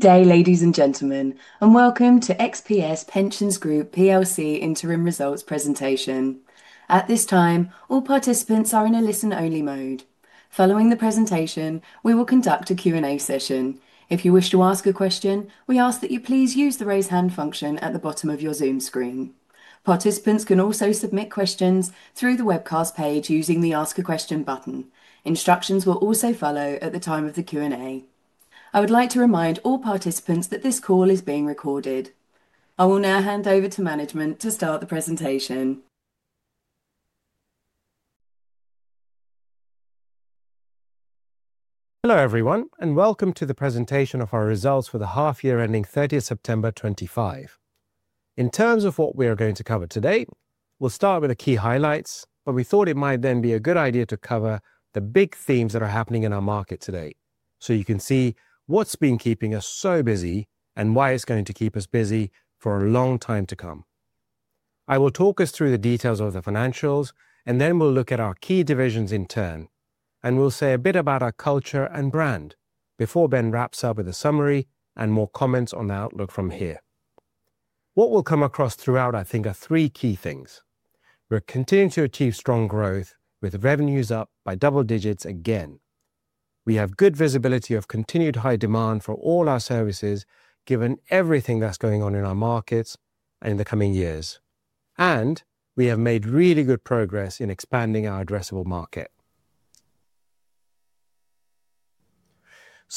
Good day, ladies and gentlemen, and welcome to XPS Pensions Group Interim Results Presentation. At this time, all participants are in a listen-only mode. Following the presentation, we will conduct a Q&A session. If you wish to ask a question, we ask that you please use the raise hand function at the bottom of your Zoom screen. Participants can also submit questions through the webcast page using the Ask a Question button. Instructions will also follow at the time of the Q&A. I would like to remind all participants that this call is being recorded. I will now hand over to management to start the presentation. Hello everyone, and welcome to the presentation of our results for the half year ending 30 September 2025. In terms of what we are going to cover today, we'll start with the key highlights, but we thought it might then be a good idea to cover the big themes that are happening in our market today so you can see what's been keeping us so busy and why it's going to keep us busy for a long time to come. I will talk us through the details of the financials, and then we'll look at our key divisions in turn, and we'll say a bit about our culture and brand before Ben wraps up with a summary and more comments on the outlook from here. What we'll come across throughout, I think, are three key things. We're continuing to achieve strong growth, with revenues up by double digits again. We have good visibility of continued high demand for all our services, given everything that's going on in our markets and in the coming years. We have made really good progress in expanding our addressable market.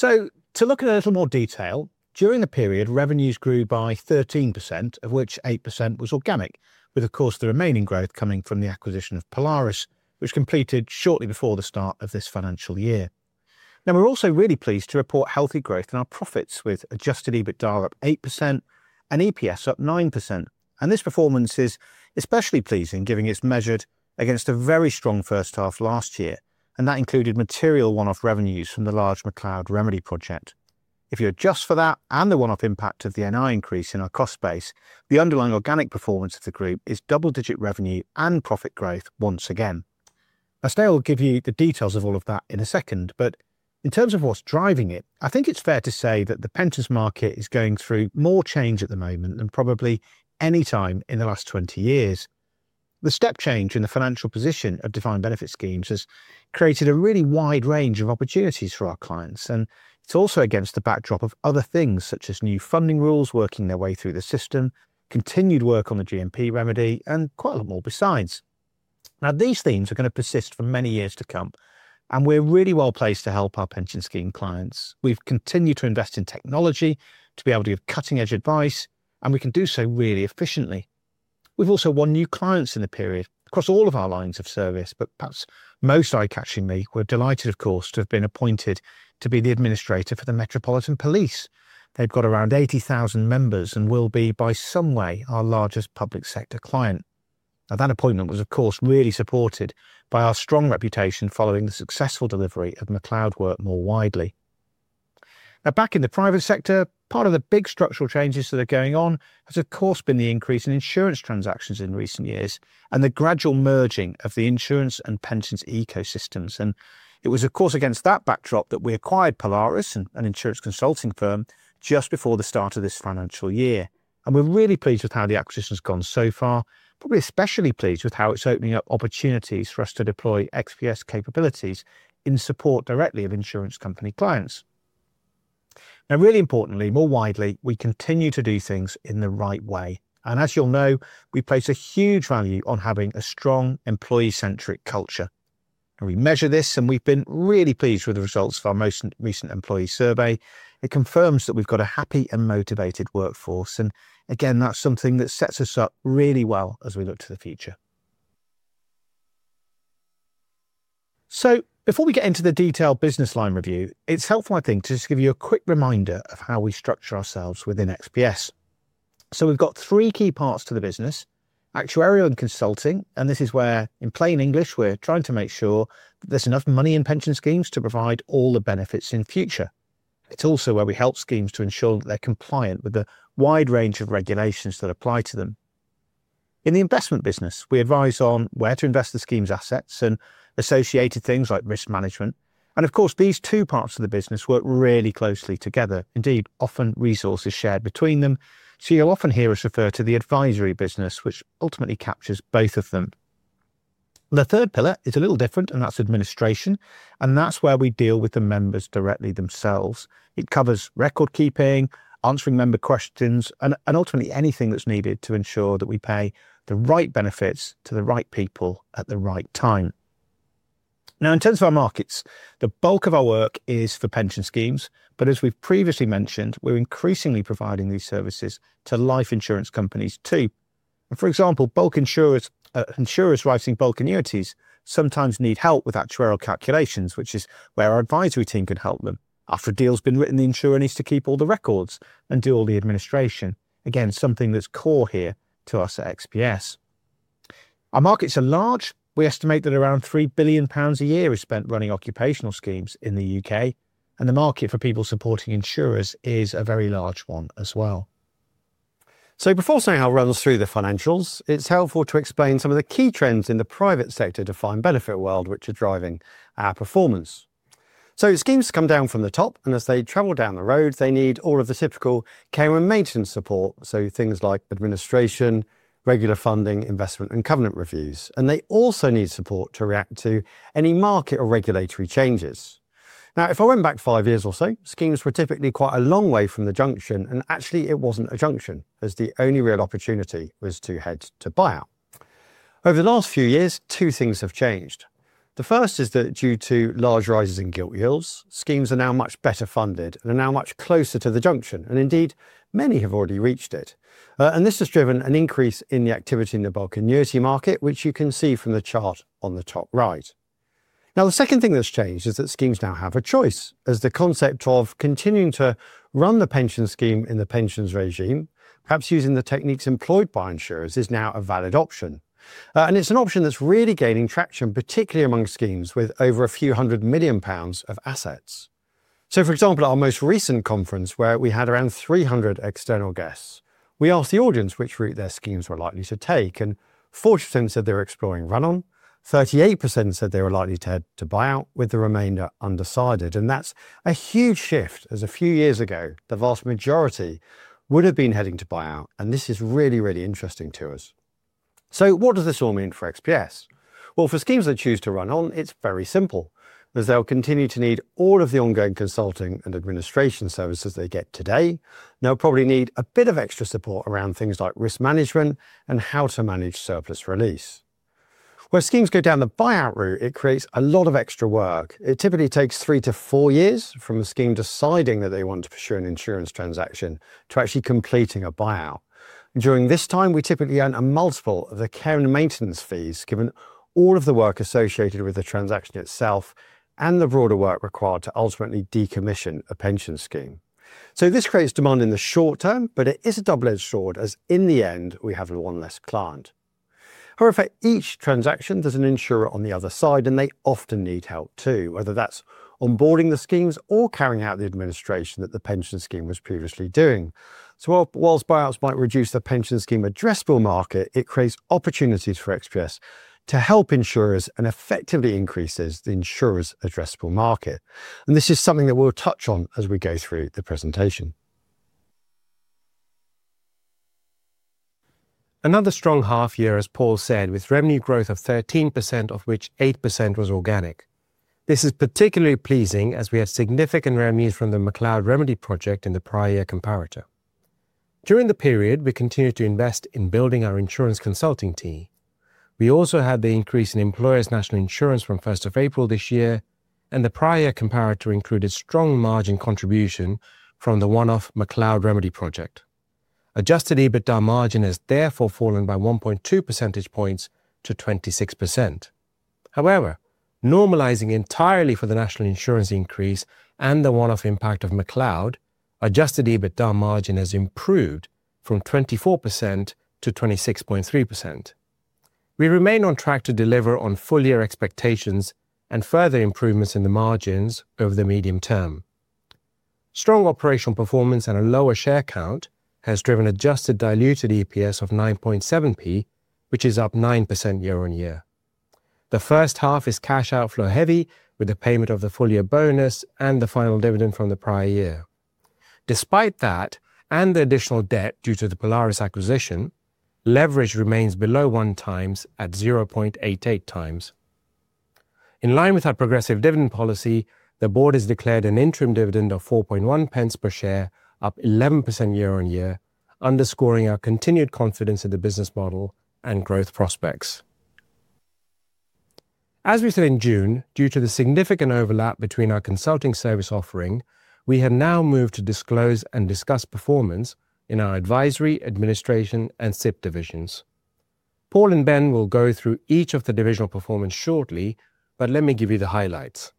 To look at a little more detail, during the period, revenues grew by 13%, of which 8% was organic, with, of course, the remaining growth coming from the acquisition of Polaris, which completed shortly before the start of this financial year. We are also really pleased to report healthy growth in our profits, with adjusted EBITDA up 8% and EPS up 9%. This performance is especially pleasing, given it is measured against a very strong first half last year, and that included material one-off revenues from the large McCloud Remedy project. If you adjust for that and the one-off impact of the NI increase in our cost base, the underlying organic performance of the group is double-digit revenue and profit growth once again. Now, Snehal will give you the details of all of that in a second, but in terms of what's driving it, I think it's fair to say that the pensions market is going through more change at the moment than probably any time in the last 20 years. The step change in the financial position of defined benefit schemes has created a really wide range of opportunities for our clients, and it's also against the backdrop of other things such as new funding rules working their way through the system, continued work on the GMP remedy, and quite a lot more besides. Now, these themes are going to persist for many years to come, and we're really well placed to help our pension scheme clients. We've continued to invest in technology to be able to give cutting-edge advice, and we can do so really efficiently. We've also won new clients in the period across all of our lines of service, but perhaps most eye-catchingly, we're delighted, of course, to have been appointed to be the administrator for the Metropolitan Police. They've got around 80,000 members and will be, by some way, our largest public sector client. That appointment was, of course, really supported by our strong reputation following the successful delivery of McCloud work more widely. Back in the private sector, part of the big structural changes that are going on has, of course, been the increase in insurance transactions in recent years and the gradual merging of the insurance and pensions ecosystems. It was, of course, against that backdrop that we acquired Polaris, an insurance consulting firm, just before the start of this financial year. We're really pleased with how the acquisition has gone so far, probably especially pleased with how it's opening up opportunities for us to deploy XPS capabilities in support directly of insurance company clients. Really importantly, more widely, we continue to do things in the right way. As you'll know, we place a huge value on having a strong employee-centric culture. We measure this, and we've been really pleased with the results of our most recent employee survey. It confirms that we've got a happy and motivated workforce. Again, that's something that sets us up really well as we look to the future. Before we get into the detailed business line review, it's helpful, I think, to just give you a quick reminder of how we structure ourselves within XPS. We have three key parts to the business: actuarial and consulting, and this is where, in plain English, we are trying to make sure that there is enough money in pension schemes to provide all the benefits in future. It is also where we help schemes to ensure that they are compliant with the wide range of regulations that apply to them. In the investment business, we advise on where to invest the scheme's assets and associated things like risk management. Of course, these two parts of the business work really closely together, indeed, often resources are shared between them. You will often hear us refer to the advisory business, which ultimately captures both of them. The third pillar is a little different, and that is administration, and that is where we deal with the members directly themselves. It covers record keeping, answering member questions, and ultimately anything that's needed to ensure that we pay the right benefits to the right people at the right time. Now, in terms of our markets, the bulk of our work is for pension schemes, but as we've previously mentioned, we're increasingly providing these services to life insurance companies too. For example, bulk insurers writing bulk annuities sometimes need help with actuarial calculations, which is where our advisory team can help them. After a deal's been written, the insurer needs to keep all the records and do all the administration. Again, something that's core here to us at XPS. Our markets are large. We estimate that around 3 billion pounds a year is spent running occupational schemes in the U.K., and the market for people supporting insurers is a very large one as well. Before Snehal runs through the financials, it's helpful to explain some of the key trends in the private sector defined benefit world, which are driving our performance. Schemes come down from the top, and as they travel down the road, they need all of the typical care and maintenance support, so things like administration, regular funding, investment, and covenant reviews. They also need support to react to any market or regulatory changes. If I went back five years or so, schemes were typically quite a long way from the junction, and actually it wasn't a junction, as the only real opportunity was to head to buyout. Over the last few years, two things have changed. The first is that due to large rises in gilt yields, schemes are now much better funded and are now much closer to the junction, and indeed, many have already reached it. This has driven an increase in the activity in the bulk annuity market, which you can see from the chart on the top right. The second thing that's changed is that schemes now have a choice, as the concept of continuing to run the pension scheme in the pensions regime, perhaps using the techniques employed by insurers, is now a valid option. It is an option that's really gaining traction, particularly among schemes with over a few hundred million pounds of assets. For example, at our most recent conference, where we had around 300 external guests, we asked the audience which route their schemes were likely to take, and 40% said they were exploring run-on, 38% said they were likely to head to buyout, with the remainder undecided. That is a huge shift, as a few years ago, the vast majority would have been heading to buyout, and this is really, really interesting to us. What does this all mean for XPS? For schemes that choose to run on, it is very simple, as they will continue to need all of the ongoing consulting and administration services they get today. They will probably need a bit of extra support around things like risk management and how to manage surplus release. Where schemes go down the buyout route, it creates a lot of extra work. It typically takes three to four years from a scheme deciding that they want to pursue an insurance transaction to actually completing a buyout. During this time, we typically earn a multiple of the care and maintenance fees, given all of the work associated with the transaction itself and the broader work required to ultimately decommission a pension scheme. This creates demand in the short term, but it is a double-edged sword, as in the end, we have one less client. However, for each transaction, there is an insurer on the other side, and they often need help too, whether that is onboarding the schemes or carrying out the administration that the pension scheme was previously doing. Whilst buyouts might reduce the pension scheme addressable market, it creates opportunities for XPS to help insurers and effectively increases the insurers' addressable market. This is something that we'll touch on as we go through the presentation. Another strong half year, as Paul said, with revenue growth of 13%, of which 8% was organic. This is particularly pleasing, as we had significant revenues from the McCloud Remedy project in the prior year comparator. During the period, we continued to invest in building our insurance consulting team. We also had the increase in employers' national insurance from 1 April this year, and the prior year comparator included strong margin contribution from the one-off McCloud Remedy project. Adjusted EBITDA margin has therefore fallen by 1.2 percentage points to 26%. However, normalizing entirely for the national insurance increase and the one-off impact of McCloud, adjusted EBITDA margin has improved from 24% to 26.3%. We remain on track to deliver on full year expectations and further improvements in the margins over the medium term. Strong operational performance and a lower share count has driven adjusted diluted EPS of 0.097, which is up 9% year on year. The first half is cash outflow heavy, with the payment of the full year bonus and the final dividend from the prior year. Despite that and the additional debt due to the Polaris acquisition, leverage remains below one times at 0.88 times. In line with our progressive dividend policy, the board has declared an interim dividend of 0.041 per share, up 11% year on year, underscoring our continued confidence in the business model and growth prospects. As we said in June, due to the significant overlap between our consulting service offering, we have now moved to disclose and discuss performance in our advisory, administration, and SIP divisions. Paul and Ben will go through each of the divisional performance shortly, but let me give you the highlights.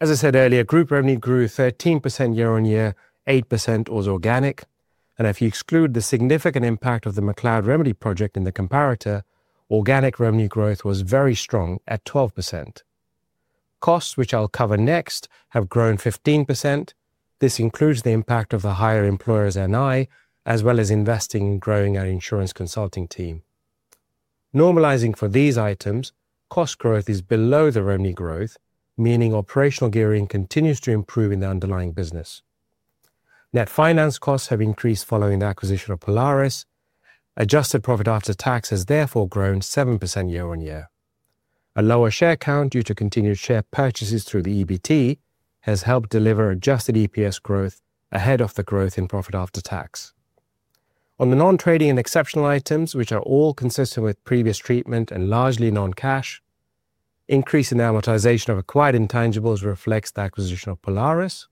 As I said earlier, group revenue grew 13% year on year, 8% was organic. If you exclude the significant impact of the McCloud Remedy project in the comparator, organic revenue growth was very strong at 12%. Costs, which I'll cover next, have grown 15%. This includes the impact of the higher employer's NI, as well as investing in growing our insurance consulting team. Normalizing for these items, cost growth is below the revenue growth, meaning operational gearing continues to improve in the underlying business. Net finance costs have increased following the acquisition of Polaris. Adjusted profit after tax has therefore grown 7% year on year. A lower share count due to continued share purchases through the EBT has helped deliver adjusted EPS growth ahead of the growth in profit after tax. On the non-trading and exceptional items, which are all consistent with previous treatment and largely non-cash, increase in amortization of acquired intangibles reflects the acquisition of Polaris.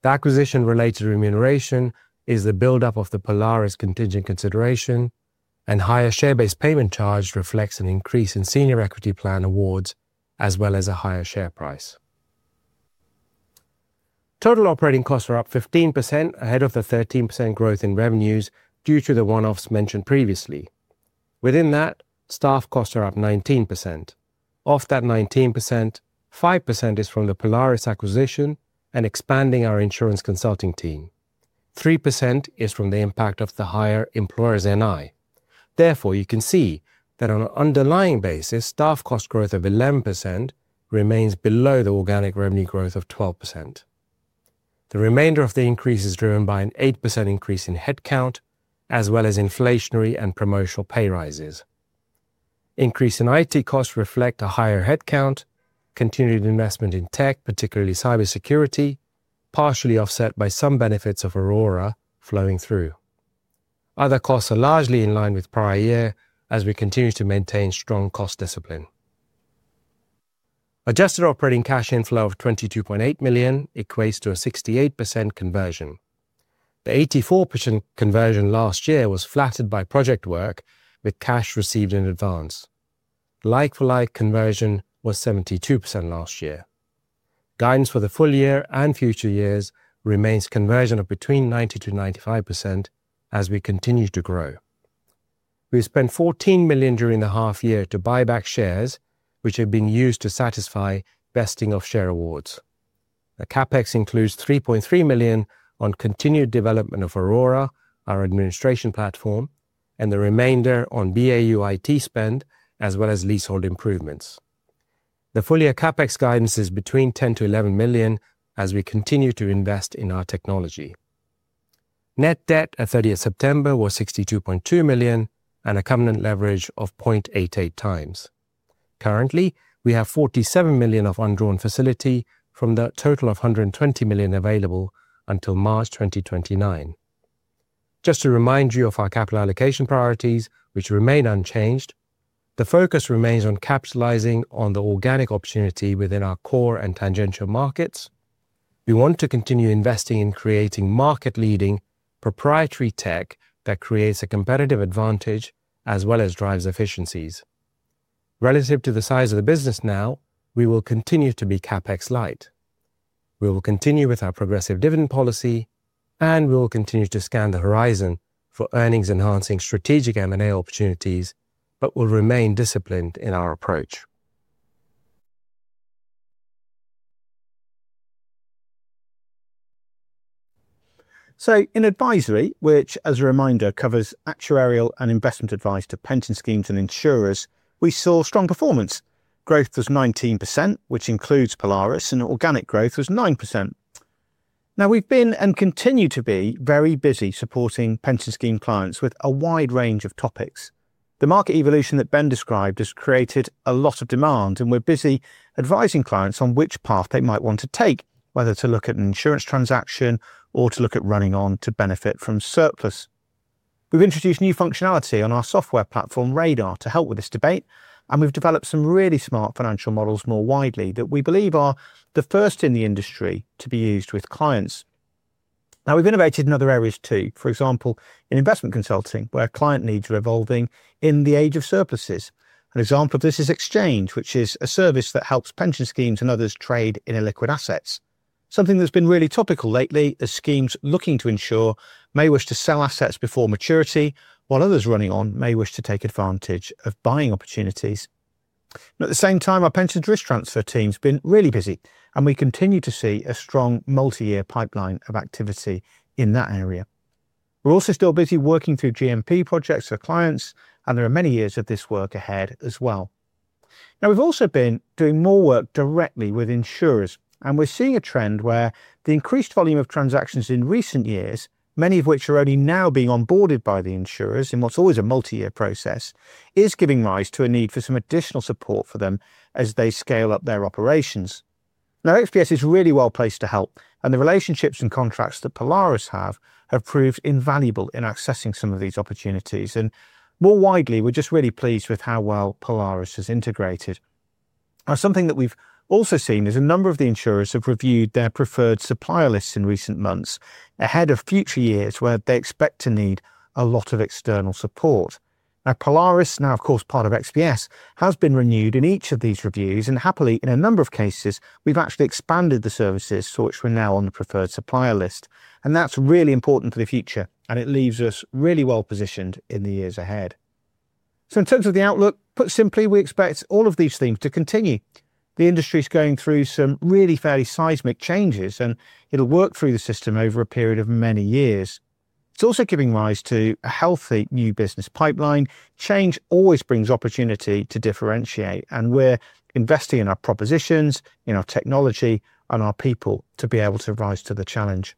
The acquisition-related remuneration is the build-up of the Polaris contingent consideration, and higher share-based payment charge reflects an increase in senior equity plan awards, as well as a higher share price. Total operating costs are up 15% ahead of the 13% growth in revenues due to the one-offs mentioned previously. Within that, staff costs are up 19%. Off that 19%, 5% is from the Polaris acquisition and expanding our insurance consulting team. 3% is from the impact of the higher employer's NI. Therefore, you can see that on an underlying basis, staff cost growth of 11% remains below the organic revenue growth of 12%. The remainder of the increase is driven by an 8% increase in headcount, as well as inflationary and promotional pay rises. Increase in IT costs reflect a higher headcount, continued investment in tech, particularly cybersecurity, partially offset by some benefits of Aurora flowing through. Other costs are largely in line with prior year as we continue to maintain strong cost discipline. Adjusted operating cash inflow of 22.8 million equates to a 68% conversion. The 84% conversion last year was flattened by project work with cash received in advance. Like-for-like conversion was 72% last year. Guidance for the full year and future years remains conversion of between 90%-95% as we continue to grow. We spent 14 million during the half year to buy back shares, which have been used to satisfy vesting of share awards. The CapEx includes 3.3 million on continued development of Aurora, our administration platform, and the remainder on BAU IT spend, as well as leasehold improvements. The full year CapEx guidance is between 10-11 million as we continue to invest in our technology. Net debt at 30 September was 62.2 million and a covenant leverage of 0.88 times. Currently, we have 47 million of undrawn facility from the total of 120 million available until March 2029. Just to remind you of our capital allocation priorities, which remain unchanged, the focus remains on capitalizing on the organic opportunity within our core and tangential markets. We want to continue investing in creating market-leading proprietary tech that creates a competitive advantage as well as drives efficiencies. Relative to the size of the business now, we will continue to be CapEx light. We will continue with our progressive dividend policy, and we will continue to scan the horizon for earnings-enhancing strategic M&A opportunities, but we will remain disciplined in our approach. In advisory, which, as a reminder, covers actuarial and investment advice to pension schemes and insurers, we saw strong performance. Growth was 19%, which includes Polaris, and organic growth was 9%. Now, we have been and continue to be very busy supporting pension scheme clients with a wide range of topics. The market evolution that Ben described has created a lot of demand, and we are busy advising clients on which path they might want to take, whether to look at an insurance transaction or to look at running on to benefit from surplus. We've introduced new functionality on our software platform, Radar, to help with this debate, and we've developed some really smart financial models more widely that we believe are the first in the industry to be used with clients. Now, we've innovated in other areas too, for example, in investment consulting, where client needs are evolving in the age of surpluses. An example of this is Exchange, which is a service that helps pension schemes and others trade in illiquid assets. Something that's been really topical lately, as schemes looking to insure may wish to sell assets before maturity, while others running on may wish to take advantage of buying opportunities. At the same time, our pension risk transfer team has been really busy, and we continue to see a strong multi-year pipeline of activity in that area. We're also still busy working through GMP projects for clients, and there are many years of this work ahead as well. Now, we've also been doing more work directly with insurers, and we're seeing a trend where the increased volume of transactions in recent years, many of which are only now being onboarded by the insurers in what's always a multi-year process, is giving rise to a need for some additional support for them as they scale up their operations. XPS is really well placed to help, and the relationships and contracts that Polaris have have proved invaluable in accessing some of these opportunities. More widely, we're just really pleased with how well Polaris has integrated. Now, something that we've also seen is a number of the insurers have reviewed their preferred supplier lists in recent months ahead of future years where they expect to need a lot of external support. Polaris, now of course part of XPS, has been renewed in each of these reviews, and happily, in a number of cases, we've actually expanded the services for which we're now on the preferred supplier list. That is really important for the future, and it leaves us really well positioned in the years ahead. In terms of the outlook, put simply, we expect all of these things to continue. The industry is going through some really fairly seismic changes, and it will work through the system over a period of many years. It is also giving rise to a healthy new business pipeline. Change always brings opportunity to differentiate, and we're investing in our propositions, in our technology, and our people to be able to rise to the challenge.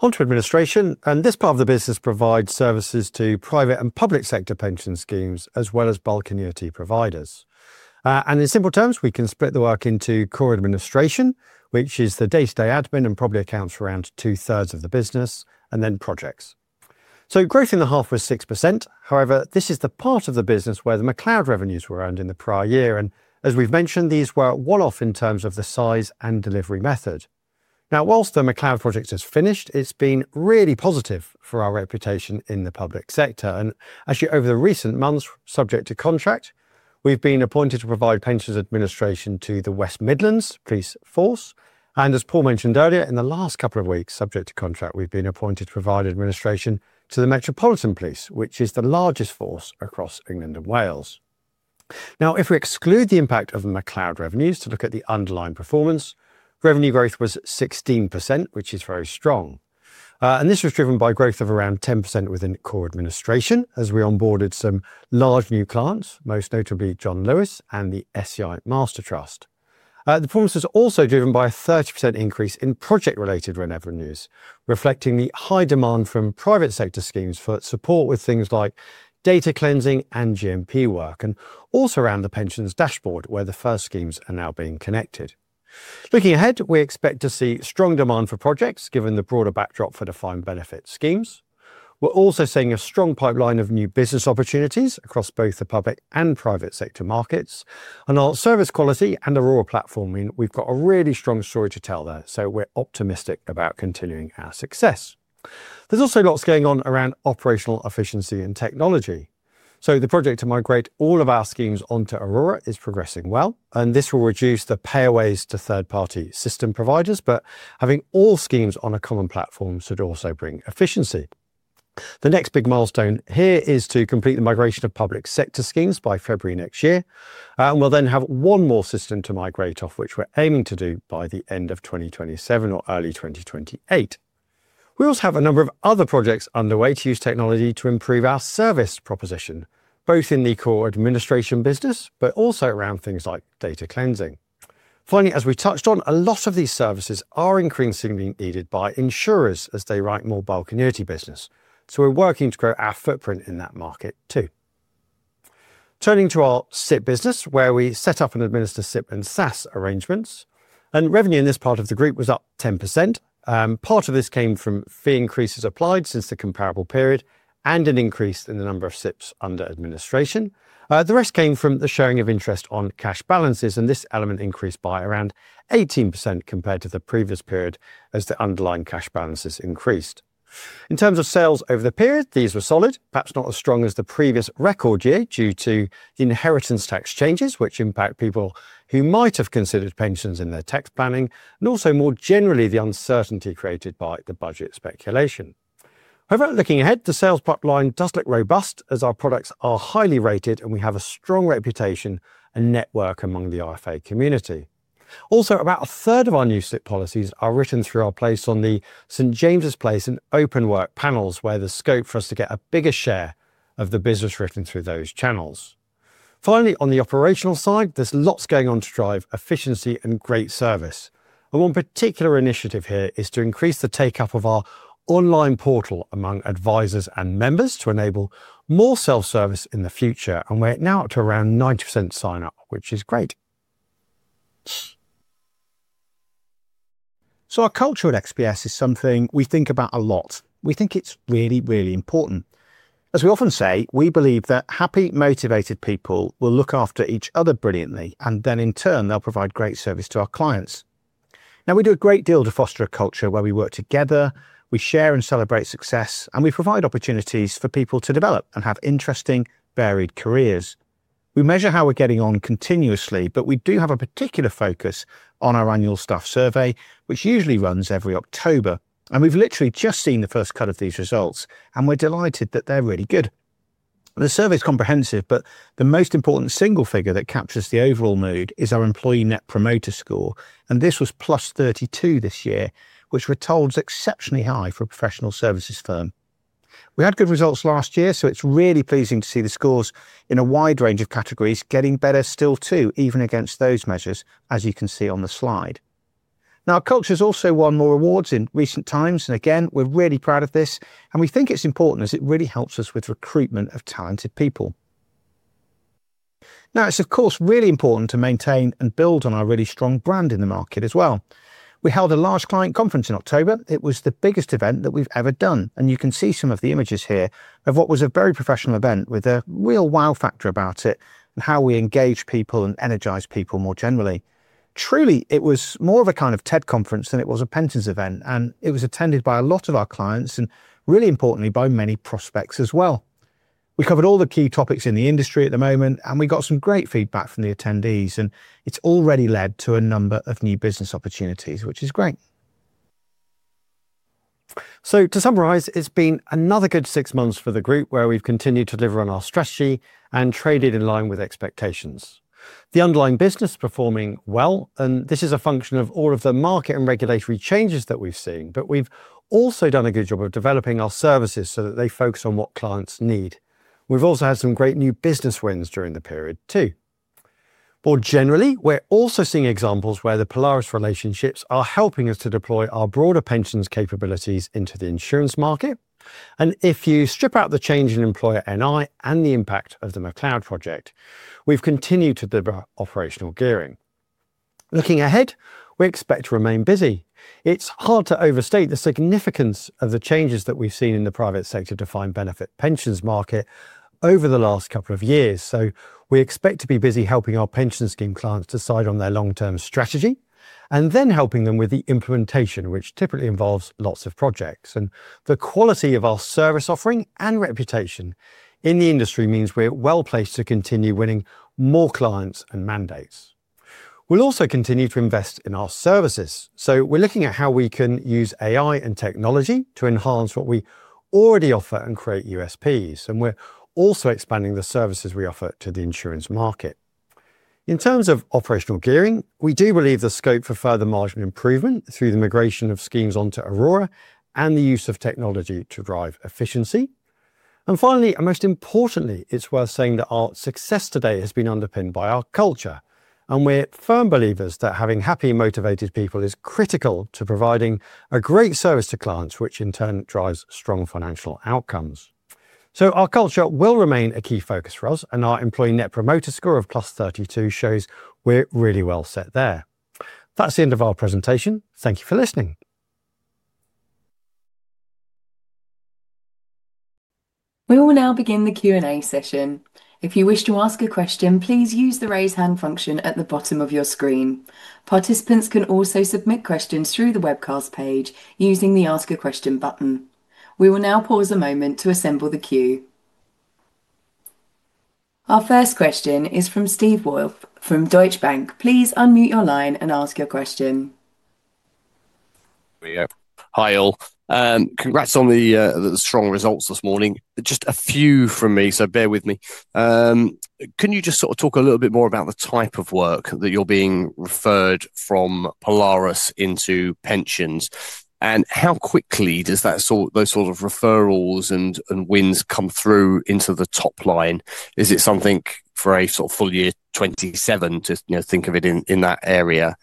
Onto administration, this part of the business provides services to private and public sector pension schemes, as well as bulk and utility providers. In simple terms, we can split the work into core administration, which is the day-to-day admin and probably accounts for around two-thirds of the business, and then projects. Growth in the half was 6%. However, this is the part of the business where the McCloud revenues were earned in the prior year, and as we've mentioned, these were one-off in terms of the size and delivery method. Now, whilst the McCloud project has finished, it's been really positive for our reputation in the public sector. Actually, over the recent months, subject to contract, we've been appointed to provide pension administration to the West Midlands Police Force. As Paul mentioned earlier, in the last couple of weeks, subject to contract, we've been appointed to provide administration to the Metropolitan Police, which is the largest force across England and Wales. Now, if we exclude the impact of McCloud revenues to look at the underlying performance, revenue growth was 16%, which is very strong. This was driven by growth of around 10% within core administration as we onboarded some large new clients, most notably John Lewis and the SEI Master Trust. The performance is also driven by a 30% increase in project-related revenues, reflecting the high demand from private sector schemes for support with things like data cleansing and GMP work, and also around the pensions dashboard where the first schemes are now being connected. Looking ahead, we expect to see strong demand for projects given the broader backdrop for defined benefit schemes. We are also seeing a strong pipeline of new business opportunities across both the public and private sector markets. Our service quality and Aurora platform, we have got a really strong story to tell there, so we are optimistic about continuing our success. There is also lots going on around operational efficiency and technology. The project to migrate all of our schemes onto Aurora is progressing well, and this will reduce the payaways to third-party system providers, but having all schemes on a common platform should also bring efficiency. The next big milestone here is to complete the migration of public sector schemes by February next year, and we will then have one more system to migrate off, which we are aiming to do by the end of 2027 or early 2028. We also have a number of other projects underway to use technology to improve our service proposition, both in the core administration business, but also around things like data cleansing. Finally, as we touched on, a lot of these services are increasingly needed by insurers as they write more bulk and utility business, so we're working to grow our footprint in that market too. Turning to our SIP business, where we set up and administer SIP and SAS arrangements, and revenue in this part of the group was up 10%. Part of this came from fee increases applied since the comparable period and an increase in the number of SIPs under administration. The rest came from the showing of interest on cash balances, and this element increased by around 18% compared to the previous period as the underlying cash balances increased. In terms of sales over the period, these were solid, perhaps not as strong as the previous record year due to the inheritance tax changes, which impact people who might have considered pensions in their tax planning, and also more generally the uncertainty created by the budget speculation. However, looking ahead, the sales pipeline does look robust as our products are highly rated and we have a strong reputation and network among the RFA community. Also, about a third of our new SIP policies are written through our place on the St. James's Place and Openwork panels, where there's scope for us to get a bigger share of the business written through those channels. Finally, on the operational side, there's lots going on to drive efficiency and great service. One particular initiative here is to increase the take-up of our online portal among advisors and members to enable more self-service in the future, and we're now up to around 90% sign-up, which is great. Our culture at XPS is something we think about a lot. We think it's really, really important. As we often say, we believe that happy, motivated people will look after each other brilliantly, and then in turn, they'll provide great service to our clients. We do a great deal to foster a culture where we work together, we share and celebrate success, and we provide opportunities for people to develop and have interesting, varied careers. We measure how we're getting on continuously, but we do have a particular focus on our annual staff survey, which usually runs every October. We have literally just seen the first cut of these results, and we are delighted that they are really good. The survey is comprehensive, but the most important single figure that captures the overall mood is our employee net promoter score, and this was +32 this year, which we are told is exceptionally high for a professional services firm. We had good results last year, so it is really pleasing to see the scores in a wide range of categories getting better still too, even against those measures, as you can see on the slide. Our culture has also won more awards in recent times, and again, we are really proud of this, and we think it is important as it really helps us with recruitment of talented people. It is of course really important to maintain and build on our really strong brand in the market as well. We held a large client conference in October. It was the biggest event that we've ever done, and you can see some of the images here of what was a very professional event with a real wow factor about it and how we engage people and energize people more generally. Truly, it was more of a kind of TED conference than it was a pension event, and it was attended by a lot of our clients and really importantly by many prospects as well. We covered all the key topics in the industry at the moment, and we got some great feedback from the attendees, and it's already led to a number of new business opportunities, which is great. To summarize, it's been another good six months for the group where we've continued to deliver on our strategy and traded in line with expectations. The underlying business is performing well, and this is a function of all of the market and regulatory changes that we've seen, but we've also done a good job of developing our services so that they focus on what clients need. We've also had some great new business wins during the period too. More generally, we're also seeing examples where the Polaris relationships are helping us to deploy our broader pensions capabilities into the insurance market. If you strip out the change in employer NI and the impact of the McCloud project, we've continued to deliver operational gearing. Looking ahead, we expect to remain busy. It's hard to overstate the significance of the changes that we've seen in the private sector defined benefit pensions market over the last couple of years. We expect to be busy helping our pension scheme clients decide on their long-term strategy and then helping them with the implementation, which typically involves lots of projects. The quality of our service offering and reputation in the industry means we're well placed to continue winning more clients and mandates. We'll also continue to invest in our services. We're looking at how we can use AI and technology to enhance what we already offer and create USPs. We're also expanding the services we offer to the insurance market. In terms of operational gearing, we do believe the scope for further margin improvement through the migration of schemes onto Aurora and the use of technology to drive efficiency. Finally, and most importantly, it's worth saying that our success today has been underpinned by our culture. We are firm believers that having happy, motivated people is critical to providing a great service to clients, which in turn drives strong financial outcomes. Our culture will remain a key focus for us, and our employee net promoter score of +32 shows we are really well set there. That is the end of our presentation. Thank you for listening. We will now begin the Q&A session. If you wish to ask a question, please use the raise hand function at the bottom of your screen. Participants can also submit questions through the webcast page using the ask a question button. We will now pause a moment to assemble the queue. Our first question is from Steve Wolf from Deutsche Bank. Please unmute your line and ask your question. Hi all. Congrats on the strong results this morning. Just a few from me, so bear with me. Can you just sort of talk a little bit more about the type of work that you're being referred from Polaris into pensions? And how quickly does that sort of those sort of referrals and wins come through into the top line? Is it something for a sort of full year 2027 to think of it in that area?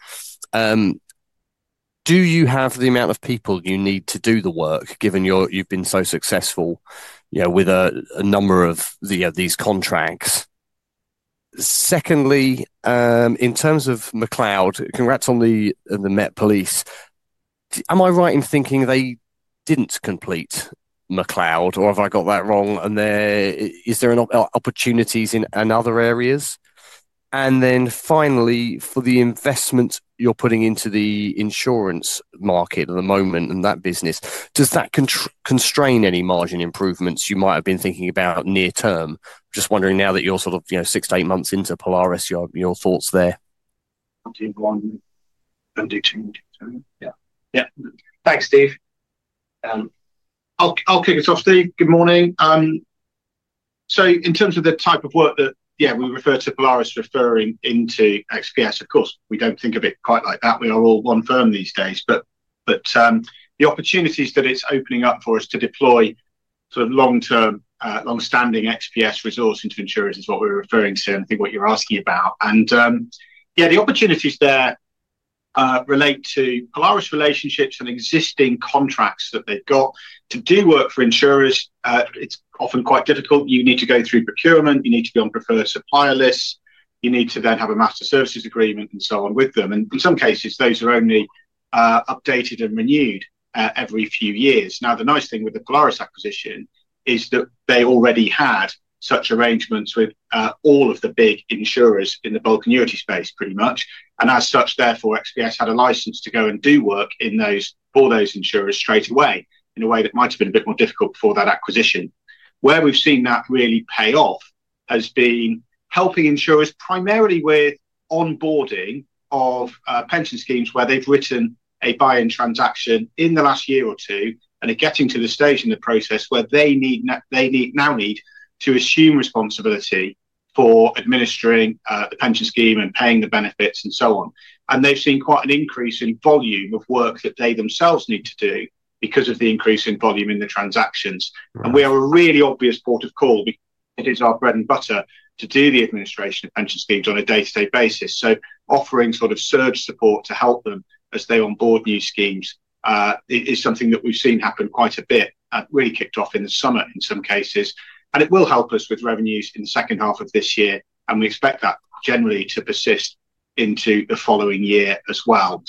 Do you have the amount of people you need to do the work given you've been so successful with a number of these contracts? Secondly, in terms of McCloud, congrats on the Met Police. Am I right in thinking they didn't complete McCloud, or have I got that wrong? And is there opportunities in other areas? And then finally, for the investment you're putting into the insurance market at the moment and that business, does that constrain any margin improvements you might have been thinking about near term? Just wondering now that you're sort of six to eight months into Polaris, your thoughts there. Yeah. Yeah. Thanks, Steve. I'll kick us off. Steve, good morning. In terms of the type of work that, yeah, we refer to Polaris referring into XPS, of course, we don't think of it quite like that. We are all one firm these days. The opportunities that it's opening up for us to deploy sort of long-standing XPS resource into insurance is what we're referring to and think what you're asking about. Yeah, the opportunities there relate to Polaris relationships and existing contracts that they've got to do work for insurers. It's often quite difficult. You need to go through procurement. You need to be on preferred supplier lists. You need to then have a master services agreement and so on with them. In some cases, those are only updated and renewed every few years. The nice thing with the Polaris acquisition is that they already had such arrangements with all of the big insurers in the bulk and utility space, pretty much. As such, therefore, XPS had a license to go and do work for those insurers straight away in a way that might have been a bit more difficult before that acquisition. Where we have seen that really pay off has been helping insurers primarily with onboarding of pension schemes where they have written a buy-in transaction in the last year or two and are getting to the stage in the process where they now need to assume responsibility for administering the pension scheme and paying the benefits and so on. They've seen quite an increase in volume of work that they themselves need to do because of the increase in volume in the transactions. We are a really obvious port of call because it is our bread and butter to do the administration of pension schemes on a day-to-day basis. Offering sort of surge support to help them as they onboard new schemes is something that we've seen happen quite a bit, really kicked off in the summer in some cases. It will help us with revenues in the second half of this year, and we expect that generally to persist into the following year as well.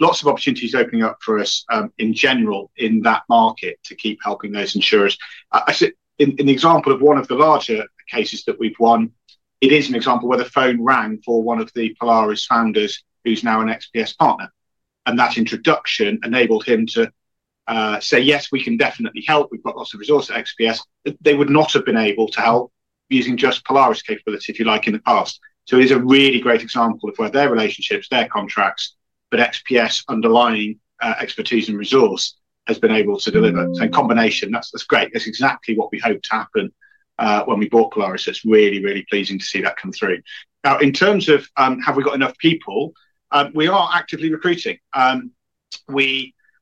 Lots of opportunities are opening up for us in general in that market to keep helping those insurers. In the example of one of the larger cases that we've won, it is an example where the phone rang for one of the Polaris founders who's now an XPS partner. That introduction enabled him to say, "Yes, we can definitely help. We've got lots of resources at XPS." They would not have been able to help using just Polaris capability, if you like, in the past. It is a really great example of where their relationships, their contracts, but XPS underlying expertise and resource has been able to deliver. In combination, that's great. That's exactly what we hoped to happen when we bought Polaris. It's really, really pleasing to see that come through. Now, in terms of have we got enough people, we are actively recruiting.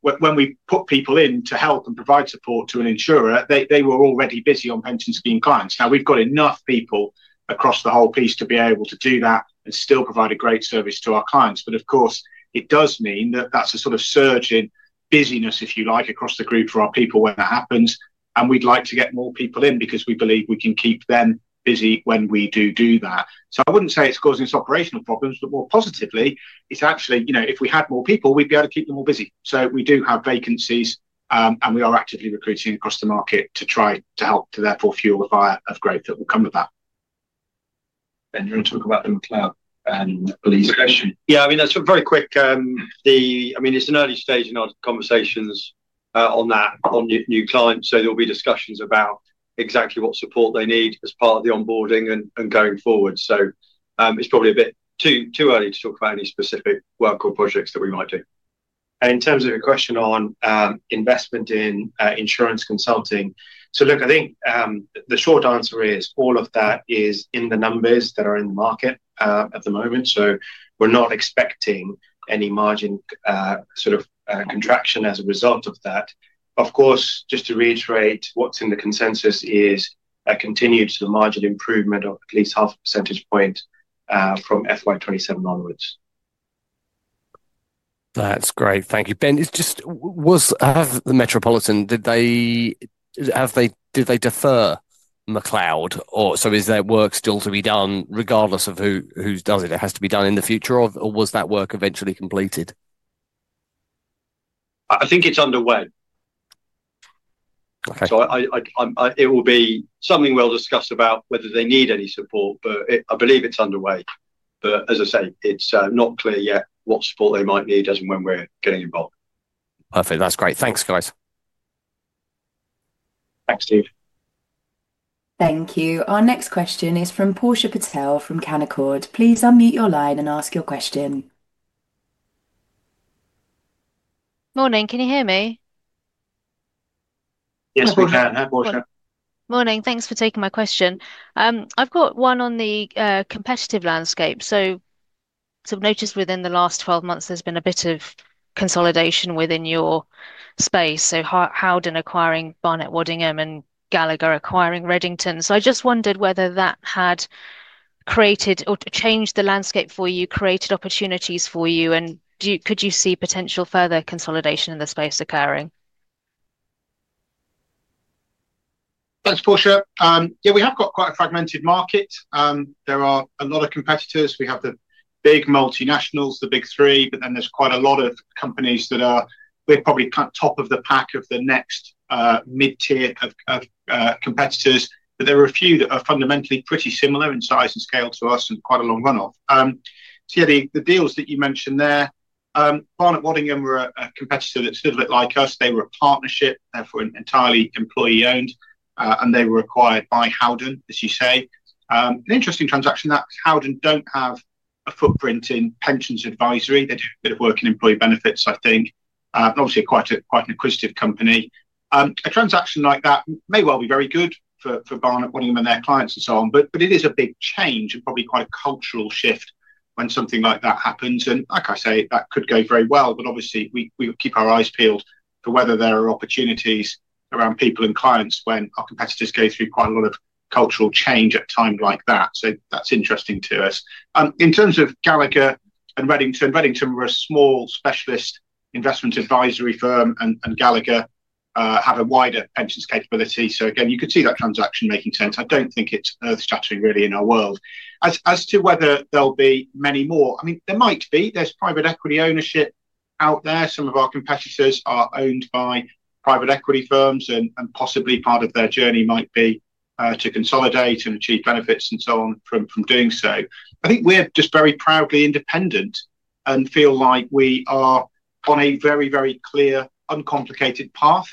When we put people in to help and provide support to an insurer, they were already busy on pension scheme clients. Now we have enough people across the whole piece to be able to do that and still provide a great service to our clients. Of course, it does mean that that is a sort of surge in busyness, if you like, across the group for our people when that happens. We would like to get more people in because we believe we can keep them busy when we do do that. I would not say it is causing us operational problems, but more positively, it is actually, you know, if we had more people, we would be able to keep them more busy. We do have vacancies, and we are actively recruiting across the market to try to help to therefore fuel the fire of growth that will come with that. You're going to talk about the McCloud and Police question. Yeah, I mean, that's a very quick, I mean, it's an early stage in our conversations on that, on new clients. There will be discussions about exactly what support they need as part of the onboarding and going forward. It's probably a bit too early to talk about any specific work or projects that we might do. In terms of your question on investment in insurance consulting, look, I think the short answer is all of that is in the numbers that are in the market at the moment. We're not expecting any margin sort of contraction as a result of that. Of course, just to reiterate, what's in the consensus is a continued margin improvement of at least half a percentage point from FY2027 onwards. That's great. Thank you. Ben, it's just, have the Metropolitan, did they defer McCloud? So is there work still to be done regardless of who does it? It has to be done in the future, or was that work eventually completed? I think it's underway. It will be something we'll discuss about whether they need any support, but I believe it's underway. As I say, it's not clear yet what support they might need as and when we're getting involved. Perfect. That's great. Thanks, guys. Thanks, Steve. Thank you. Our next question is from Portia Patel from Canaccord. Please unmute your line and ask your question. Morning. Can you hear me? Yes, we can. Portia. Morning. Thanks for taking my question. I've got one on the competitive landscape. I've noticed within the last 12 months, there's been a bit of consolidation within your space. Howden acquiring Barnett Waddingham and Gallagher acquiring Reddington. I just wondered whether that had created or changed the landscape for you, created opportunities for you, and could you see potential further consolidation in the space occurring? Thanks, Portia. Yeah, we have got quite a fragmented market. There are a lot of competitors. We have the big multinationals, the big three, but then there's quite a lot of companies that are probably top of the pack of the next mid-tier of competitors. There are a few that are fundamentally pretty similar in size and scale to us and quite a long run-off. Yeah, the deals that you mentioned there, Barnett Waddingham were a competitor that stood a bit like us. They were a partnership, therefore entirely employee-owned, and they were acquired by Howden, as you say. An interesting transaction that Howden do not have a footprint in pensions advisory. They do a bit of work in employee benefits, I think. Obviously, quite an acquisitive company. A transaction like that may well be very good for Barnett Waddingham and their clients and so on, but it is a big change and probably quite a cultural shift when something like that happens. Like I say, that could go very well, but obviously, we would keep our eyes peeled for whether there are opportunities around people and clients when our competitors go through quite a lot of cultural change at times like that. That is interesting to us. In terms of Gallagher and Reddington, Reddington were a small specialist investment advisory firm, and Gallagher have a wider pensions capability. Again, you could see that transaction making sense. I do not think it is earth-shattering really in our world. As to whether there'll be many more, I mean, there might be. There's private equity ownership out there. Some of our competitors are owned by private equity firms, and possibly part of their journey might be to consolidate and achieve benefits and so on from doing so. I think we're just very proudly independent and feel like we are on a very, very clear, uncomplicated path.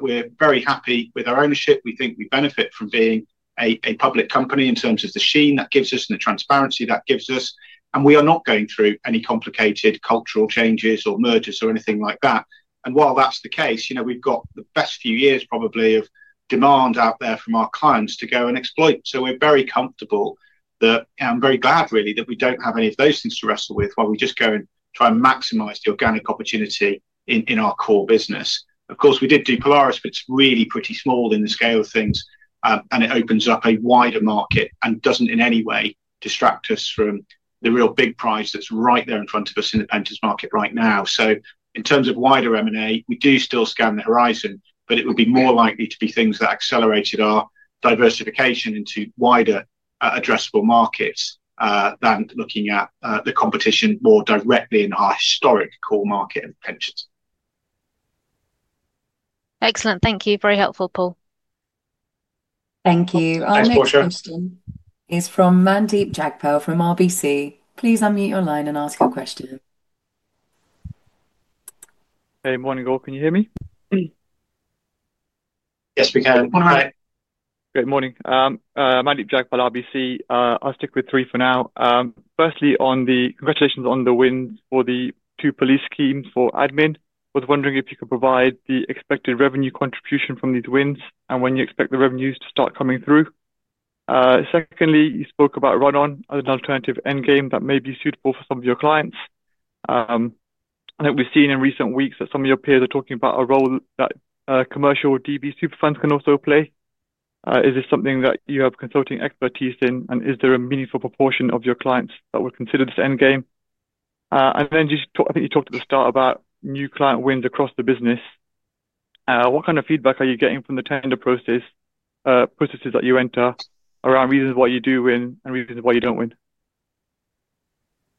We're very happy with our ownership. We think we benefit from being a public company in terms of the sheen that gives us and the transparency that gives us. We are not going through any complicated cultural changes or mergers or anything like that. While that's the case, we've got the best few years probably of demand out there from our clients to go and exploit. We're very comfortable that I'm very glad really that we don't have any of those things to wrestle with while we just go and try and maximize the organic opportunity in our core business. Of course, we did do Polaris, but it's really pretty small in the scale of things, and it opens up a wider market and doesn't in any way distract us from the real big prize that's right there in front of us in the pension market right now. In terms of wider M&A, we do still scan the horizon, but it would be more likely to be things that accelerated our diversification into wider addressable markets than looking at the competition more directly in our historic core market of pensions. Excellent. Thank you. Very helpful, Paul. Thank you. Our next question is from Mandeep Jagpal from RBC. Please unmute your line and ask your question. Hey, morning, all. Can you hear me? Yes, we can. Good morning. Good morning. Mandeep Jagpal, RBC. I'll stick with three for now. Firstly, congratulations on the wins for the two police schemes for admin. I was wondering if you could provide the expected revenue contribution from these wins and when you expect the revenues to start coming through. Secondly, you spoke about run-on as an alternative endgame that may be suitable for some of your clients. I think we've seen in recent weeks that some of your peers are talking about a role that commercial DB super funds can also play. Is this something that you have consulting expertise in, and is there a meaningful proportion of your clients that would consider this endgame? I think you talked at the start about new client wins across the business. What kind of feedback are you getting from the tender processes that you enter around reasons why you do win and reasons why you do not win?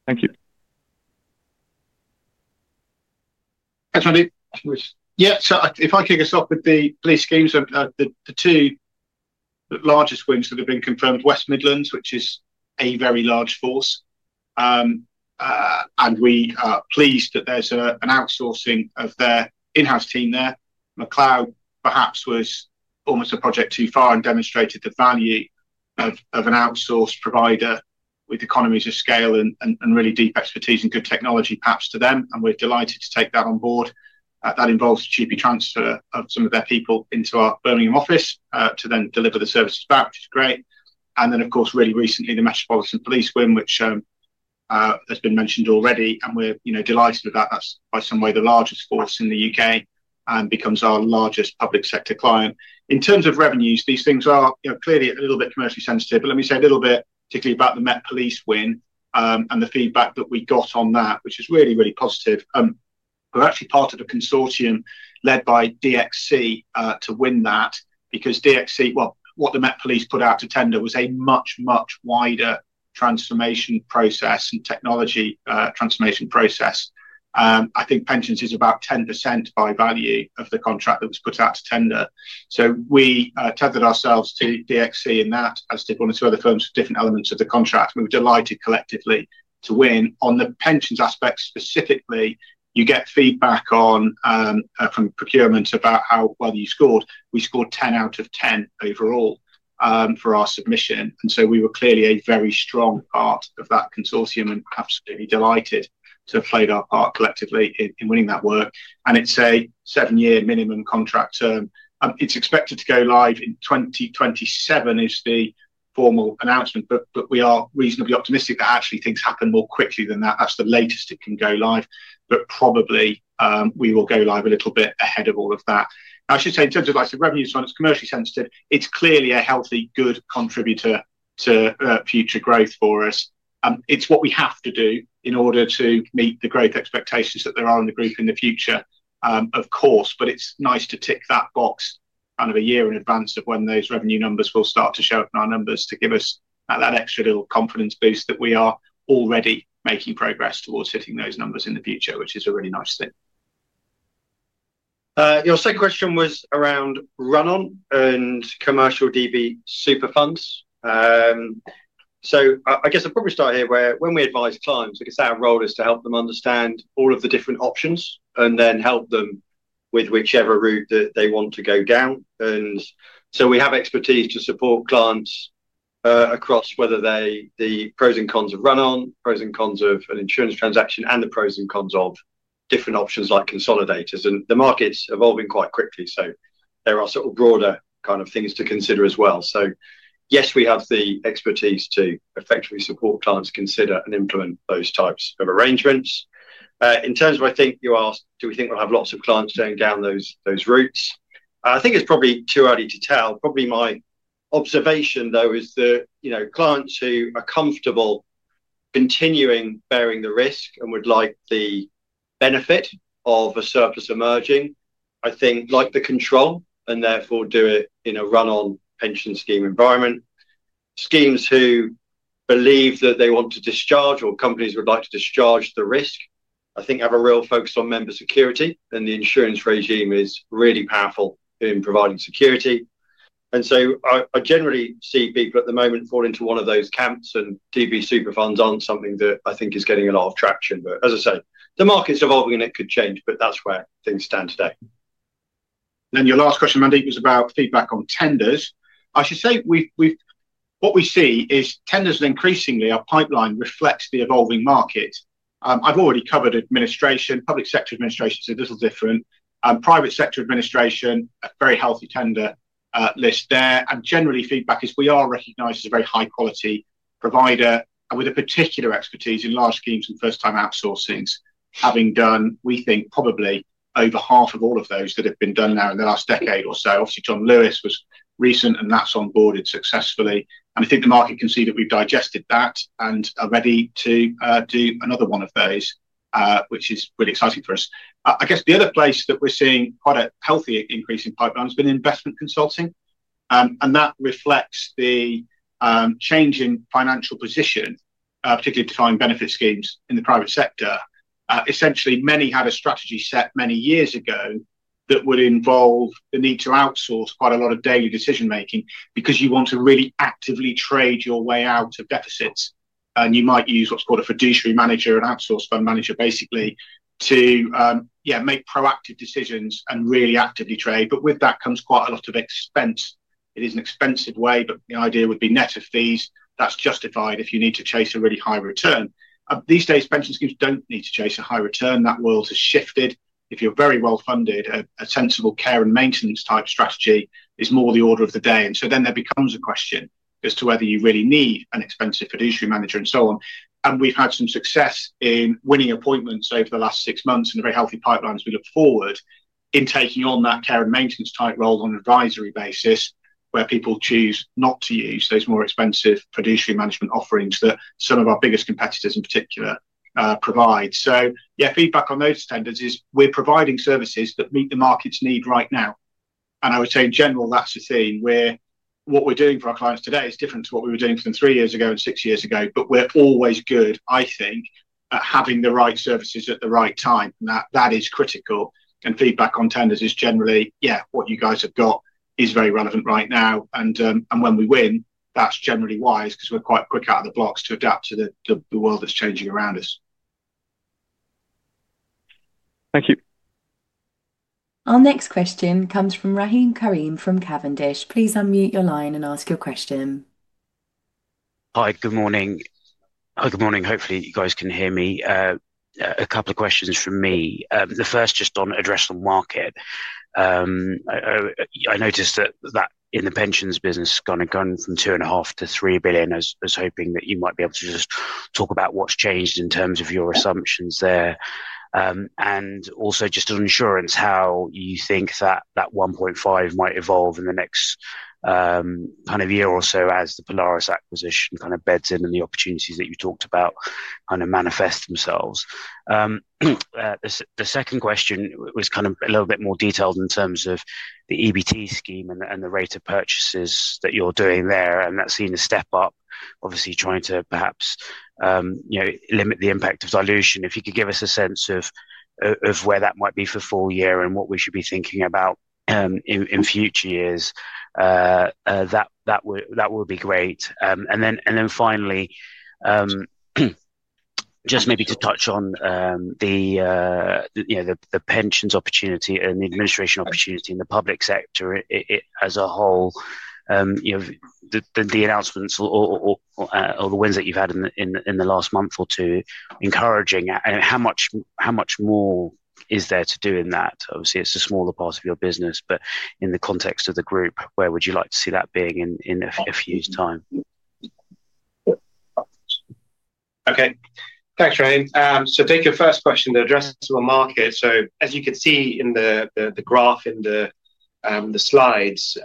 Thank you. Thanks, Mandeep. Yeah. If I kick us off with the police schemes, the two largest wins that have been confirmed, West Midlands, which is a very large force, and we are pleased that there is an outsourcing of their in-house team there. McCloud perhaps was almost a project too far and demonstrated the value of an outsourced provider with economies of scale and really deep expertise and good technology perhaps to them. We are delighted to take that on board. That involves GP transfer of some of their people into our Birmingham office to then deliver the services back, which is great. Of course, really recently, the Metropolitan Police win, which has been mentioned already, and we are delighted about that. That's by some way the largest force in the U.K. and becomes our largest public sector client. In terms of revenues, these things are clearly a little bit commercially sensitive, but let me say a little bit particularly about the Met Police win and the feedback that we got on that, which is really, really positive. We're actually part of a consortium led by DXC to win that because DXC, what the Met Police put out to tender was a much, much wider transformation process and technology transformation process. I think pensions is about 10% by value of the contract that was put out to tender. We tethered ourselves to DXC in that as did one or two other firms with different elements of the contract. We were delighted collectively to win on the pensions aspect specifically. You get feedback from procurement about how well you scored. We scored 10 out of 10 overall for our submission. We were clearly a very strong part of that consortium and absolutely delighted to have played our part collectively in winning that work. It is a seven-year minimum contract term. It is expected to go live in 2027 as the formal announcement, but we are reasonably optimistic that actually things happen more quickly than that. That is the latest it can go live, but probably we will go live a little bit ahead of all of that. I should say in terms of revenue size, commercially sensitive, it is clearly a healthy, good contributor to future growth for us. It's what we have to do in order to meet the growth expectations that there are in the group in the future, of course, but it's nice to tick that box kind of a year in advance of when those revenue numbers will start to show up in our numbers to give us that extra little confidence boost that we are already making progress towards hitting those numbers in the future, which is a really nice thing. Your second question was around run-on and commercial DB super funds. I guess I'll probably start here where when we advise clients, I guess our role is to help them understand all of the different options and then help them with whichever route that they want to go down. We have expertise to support clients across whether the pros and cons of run-on, pros and cons of an insurance transaction, and the pros and cons of different options like consolidators. The market's evolving quite quickly, so there are sort of broader kind of things to consider as well. Yes, we have the expertise to effectively support clients to consider and implement those types of arrangements. In terms of, I think you asked, do we think we'll have lots of clients going down those routes? I think it's probably too early to tell. Probably my observation, though, is that clients who are comfortable continuing bearing the risk and would like the benefit of a surplus emerging, I think like the control and therefore do it in a run-on pension scheme environment. Schemes who believe that they want to discharge or companies would like to discharge the risk, I think have a real focus on member security, and the insurance regime is really powerful in providing security. I generally see people at the moment fall into one of those camps, and DB super funds aren't something that I think is getting a lot of traction. As I say, the market's evolving and it could change, but that's where things stand today. Your last question, Mandeep, was about feedback on tenders. I should say what we see is tenders increasingly, our pipeline reflects the evolving market. I've already covered administration. Public sector administration is a little different. Private sector administration, a very healthy tender list there. Generally, feedback is we are recognized as a very high-quality provider with a particular expertise in large schemes and first-time outsourcings, having done, we think, probably over half of all of those that have been done now in the last decade or so. John Lewis was recent and that's onboarded successfully. I think the market can see that we've digested that and are ready to do another one of those, which is really exciting for us. I guess the other place that we're seeing quite a healthy increase in pipelines has been investment consulting, and that reflects the change in financial position, particularly defined benefit schemes in the private sector. Essentially, many had a strategy set many years ago that would involve the need to outsource quite a lot of daily decision-making because you want to really actively trade your way out of deficits. You might use what's called a fiduciary manager, an outsource fund manager, basically to, yeah, make proactive decisions and really actively trade. With that comes quite a lot of expense. It is an expensive way, but the idea would be net of fees. That's justified if you need to chase a really high return. These days, pension schemes don't need to chase a high return. That world has shifted. If you're very well funded, a sensible care and maintenance type strategy is more the order of the day. There becomes a question as to whether you really need an expensive fiduciary manager and so on. We have had some success in winning appointments over the last six months and very healthy pipelines. We look forward to taking on that care and maintenance type role on an advisory basis where people choose not to use those more expensive fiduciary management offerings that some of our biggest competitors in particular provide. Yeah, feedback on those tenders is we are providing services that meet the market's need right now. I would say in general, that is a theme where what we are doing for our clients today is different to what we were doing for them three years ago and six years ago, but we are always good, I think, at having the right services at the right time. That is critical. Feedback on tenders is generally, yeah, what you guys have got is very relevant right now. When we win, that's generally wise because we're quite quick out of the blocks to adapt to the world that's changing around us. Thank you. Our next question comes from Rahim Karim from Cavendish. Please unmute your line and ask your question. Hi, good morning. Hi, good morning. Hopefully, you guys can hear me. A couple of questions from me. The first just on addressable market. I noticed that in the pensions business, it's gone from 2.5 billion to 3 billion. I was hoping that you might be able to just talk about what's changed in terms of your assumptions there. Also, just on insurance, how you think that that 1.5 billion might evolve in the next kind of year or so as the Polaris acquisition kind of beds in and the opportunities that you talked about kind of manifest themselves. The second question was kind of a little bit more detailed in terms of the EBT scheme and the rate of purchases that you're doing there. That's seen a step up, obviously, trying to perhaps limit the impact of dilution. If you could give us a sense of where that might be for full year and what we should be thinking about in future years, that will be great. Finally, just maybe to touch on the pensions opportunity and the administration opportunity in the public sector as a whole, the announcements or the wins that you've had in the last month or two, encouraging it. How much more is there to do in that? Obviously, it's a smaller part of your business, but in the context of the group, where would you like to see that being in a few years' time? Okay. Thanks, Rayne. To take your first question, the addressable market. As you can see in the graph in the slides,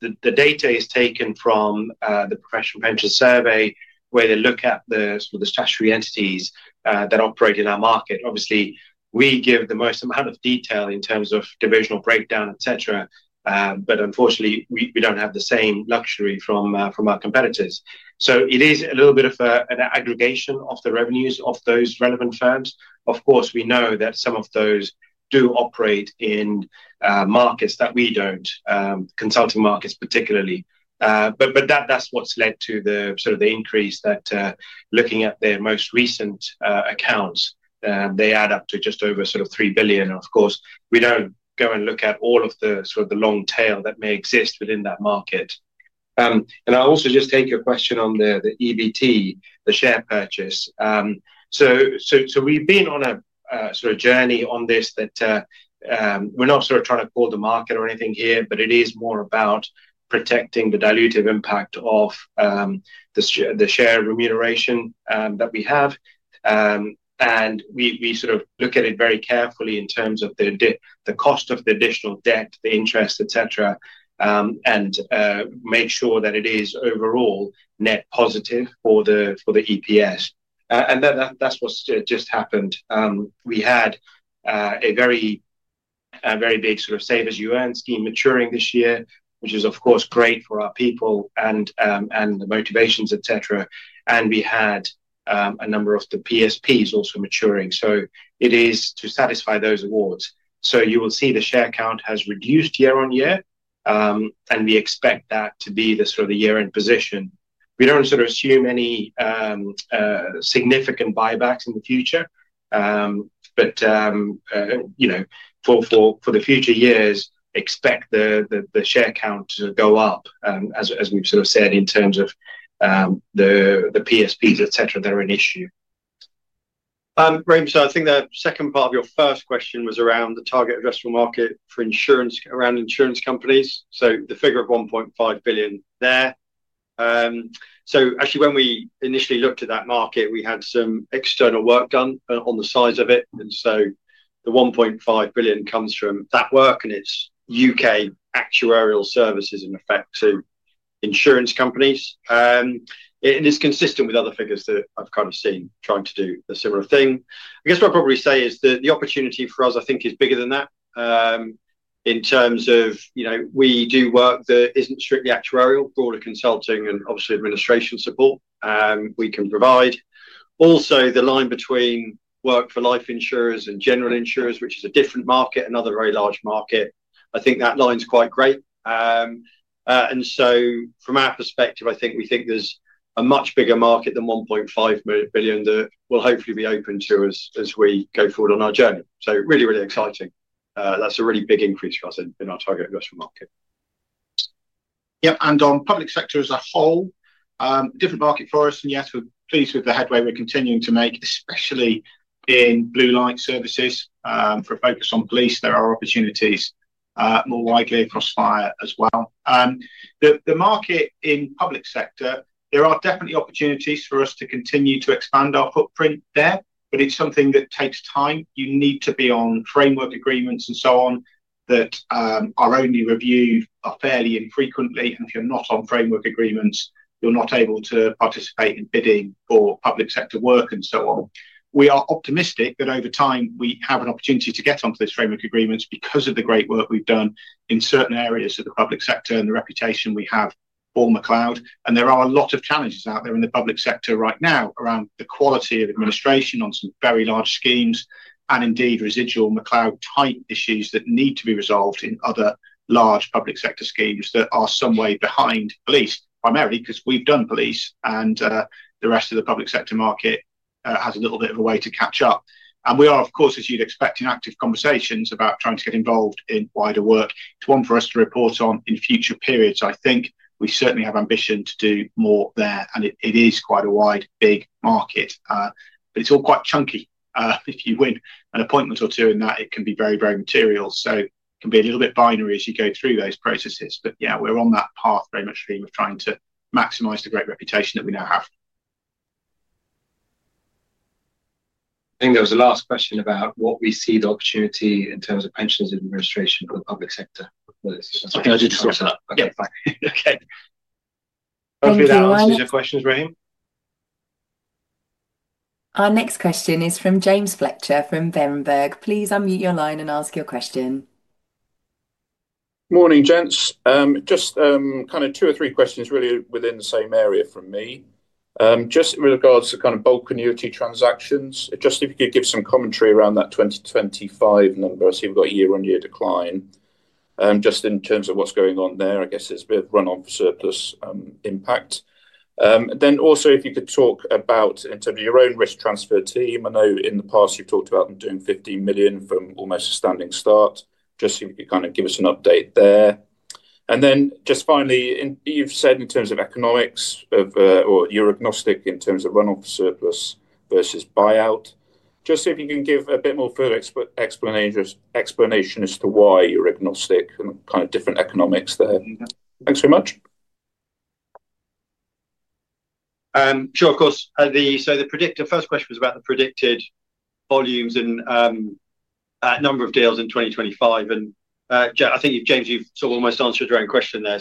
the data is taken from the Professional Pension Survey, where they look at the statutory entities that operate in our market. Obviously, we give the most amount of detail in terms of divisional breakdown, etc., but unfortunately, we do not have the same luxury from our competitors. It is a little bit of an aggregation of the revenues of those relevant firms. Of course, we know that some of those do operate in markets that we do not, consulting markets particularly. That is what has led to the sort of the increase that, looking at their most recent accounts, they add up to just over three billion. Of course, we do not go and look at all of the sort of the long tail that may exist within that market. I'll also just take your question on the EBT, the share purchase. We've been on a sort of journey on this that we're not trying to call the market or anything here, but it is more about protecting the dilutive impact of the share remuneration that we have. We sort of look at it very carefully in terms of the cost of the additional debt, the interest, etc., and make sure that it is overall net positive for the EPS. That's what's just happened. We had a very big sort of savers you earn scheme maturing this year, which is, of course, great for our people and the motivations, etc. We had a number of the PSPs also maturing. It is to satisfy those awards. You will see the share count has reduced year on year, and we expect that to be the sort of the year-end position. We do not sort of assume any significant buybacks in the future, but for the future years, expect the share count to go up, as we have sort of said, in terms of the PSPs, etc., that are an issue. Rayne, I think the second part of your first question was around the target addressable market for insurance around insurance companies. The figure of 1.5 billion there. Actually, when we initially looked at that market, we had some external work done on the size of it. The 1.5 billion comes from that work, and it is U.K. actuarial services in effect to insurance companies. It is consistent with other figures that I have kind of seen trying to do a similar thing. I guess what I'd probably say is that the opportunity for us, I think, is bigger than that in terms of we do work that isn't strictly actuarial, broader consulting, and obviously administration support we can provide. Also, the line between work for life insurers and general insurers, which is a different market, another very large market, I think that line's quite gray. From our perspective, I think we think there's a much bigger market than 1.5 billion that will hopefully be open to us as we go forward on our journey. Really, really exciting. That's a really big increase for us in our target addressable market. Yep. On public sector as a whole, different market for us. Yes, we're pleased with the headway we're continuing to make, especially in blue light services. For a focus on police, there are opportunities more widely across FHIR as well. The market in public sector, there are definitely opportunities for us to continue to expand our footprint there, but it's something that takes time. You need to be on framework agreements and so on that are only reviewed fairly infrequently. If you're not on framework agreements, you're not able to participate in bidding for public sector work and so on. We are optimistic that over time, we have an opportunity to get onto these framework agreements because of the great work we've done in certain areas of the public sector and the reputation we have for McCloud Remedy. There are a lot of challenges out there in the public sector right now around the quality of administration on some very large schemes and indeed residual McCloud-type issues that need to be resolved in other large public sector schemes that are some way behind police, primarily because we've done police and the rest of the public sector market has a little bit of a way to catch up. We are, of course, as you'd expect, in active conversations about trying to get involved in wider work. It's one for us to report on in future periods. I think we certainly have ambition to do more there, and it is quite a wide, big market. It's all quite chunky. If you win an appointment or two in that, it can be very, very material. It can be a little bit binary as you go through those processes. Yeah, we're on that path very much stream of trying to maximize the great reputation that we now have. I think that was the last question about what we see the opportunity in terms of pensions administration for the public sector. I didn't sort it out. Okay. Thank you. Okay. Hopefully, that answers your questions, Rayne. Our next question is from James Fletcher from Vandenberg. Please unmute your line and ask your question. Morning, gents. Just kind of two or three questions, really, within the same area from me. Just in regards to kind of bulk annuity transactions, just if you could give some commentary around that 2025 number, see if we've got a year-on-year decline. In terms of what's going on there, I guess it's a bit of run-on for surplus impact. If you could talk about in terms of your own risk transfer team. I know in the past, you've talked about them doing 15 million from almost a standing start. If you could kind of give us an update there. Just finally, you've said in terms of economics or you're agnostic in terms of run-on for surplus versus buyout. See if you can give a bit more further explanation as to why you're agnostic and kind of different economics there. Thanks very much. Sure. Of course. The first question was about the predicted volumes and number of deals in 2025. I think, James, you've sort of almost answered your own question there.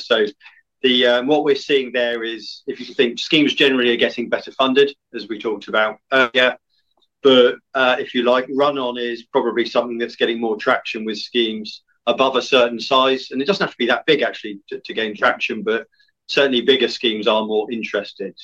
What we're seeing there is, if you think schemes generally are getting better funded, as we talked about earlier, but if you like, run-on is probably something that's getting more traction with schemes above a certain size. It doesn't have to be that big, actually, to gain traction, but certainly bigger schemes are more interested.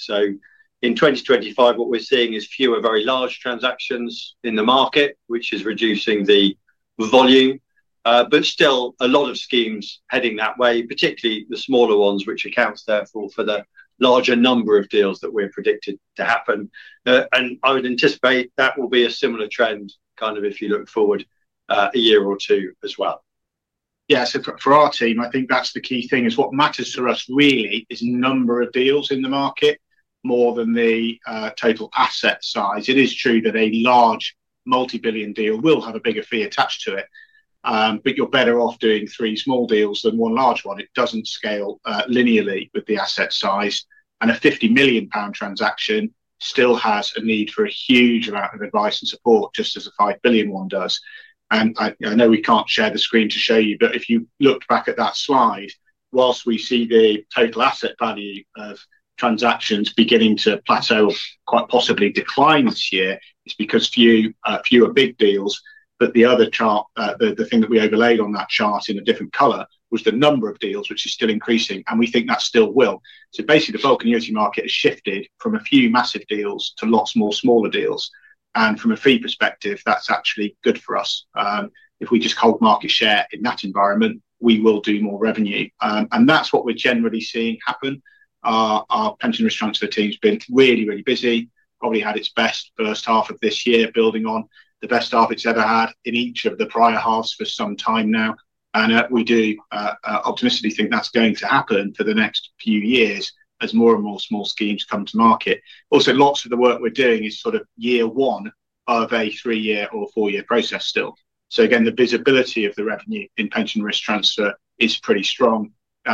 In 2025, what we're seeing is fewer very large transactions in the market, which is reducing the volume, but still a lot of schemes heading that way, particularly the smaller ones, which accounts therefore for the larger number of deals that we're predicted to happen. I would anticipate that will be a similar trend kind of if you look forward a year or two as well. Yeah. For our team, I think that's the key thing. What matters to us really is number of deals in the market more than the total asset size. It is true that a large multi-billion deal will have a bigger fee attached to it, but you're better off doing three small deals than one large one. It doesn't scale linearly with the asset size. A 50 million pound transaction still has a need for a huge amount of advice and support, just as a 5 billion one does. I know we can't share the screen to show you, but if you looked back at that slide, whilst we see the total asset value of transactions beginning to plateau or quite possibly decline this year, it's because fewer big deals. The other chart, the thing that we overlaid on that chart in a different color, was the number of deals, which is still increasing. We think that still will. Basically, the bulk annuity market has shifted from a few massive deals to lots more smaller deals. From a fee perspective, that's actually good for us. If we just hold market share in that environment, we will do more revenue. That's what we're generally seeing happen. Our pension risk transfer team's been really, really busy, probably had its best first half of this year building on the best half it's ever had in each of the prior halves for some time now. We do optimistically think that's going to happen for the next few years as more and more small schemes come to market. Also, lots of the work we're doing is sort of year one of a three-year or four-year process still. Again, the visibility of the revenue in pension risk transfer is pretty strong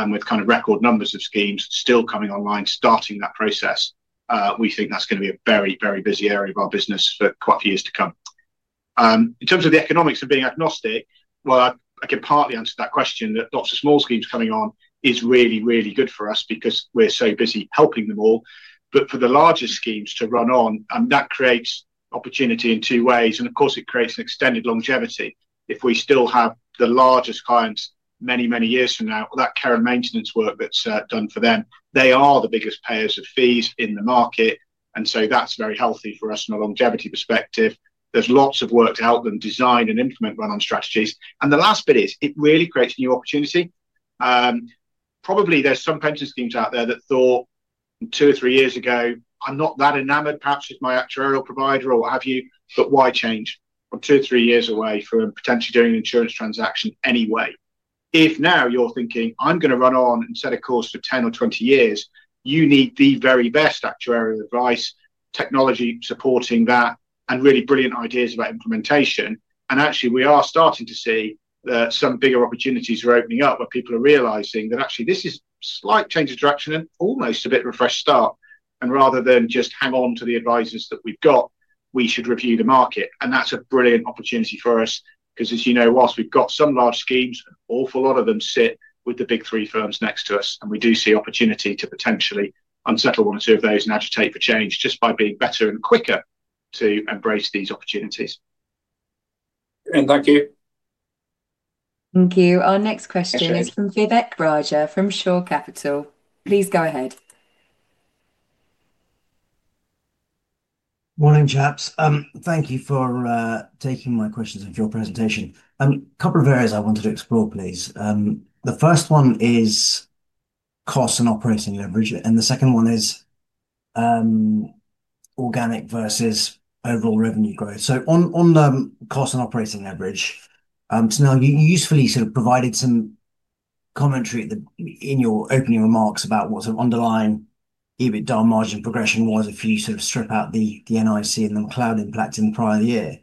with kind of record numbers of schemes still coming online starting that process. We think that's going to be a very, very busy area of our business for quite a few years to come. In terms of the economics of being agnostic, I can partly answer that question that lots of small schemes coming on is really, really good for us because we're so busy helping them all. For the larger schemes to run on, that creates opportunity in two ways. Of course, it creates an extended longevity. If we still have the largest clients many, many years from now, that care and maintenance work that's done for them, they are the biggest payers of fees in the market. That is very healthy for us from a longevity perspective. There is lots of work to help them design and implement run-on strategies. The last bit is it really creates new opportunity. Probably there are some pension schemes out there that thought two or three years ago, "I'm not that enamored, perhaps with my actuarial provider or what have you, but why change from two or three years away from potentially doing an insurance transaction anyway?" If now you're thinking, "I'm going to run on and set a course for 10 or 20 years," you need the very best actuarial advice, technology supporting that, and really brilliant ideas about implementation. Actually, we are starting to see some bigger opportunities are opening up where people are realizing that actually this is a slight change of direction and almost a bit of a fresh start. Rather than just hang on to the advisors that we've got, we should review the market. That is a brilliant opportunity for us because, as you know, whilst we've got some large schemes, an awful lot of them sit with the big three firms next to us. We do see opportunity to potentially unsettle one or two of those and agitate for change just by being better and quicker to embrace these opportunities. Thank you. Thank you. Our next question is from Vivek Raja from Shore Capital. Please go ahead. Morning, chaps. Thank you for taking my questions of your presentation. A couple of areas I wanted to explore, please. The first one is cost and operating leverage. The second one is organic versus overall revenue growth. On the cost and operating leverage, you usefully sort of provided some commentary in your opening remarks about what sort of underlying EBITDA margin progression was if you sort of strip out the NIC and the McCloud impact in the prior year.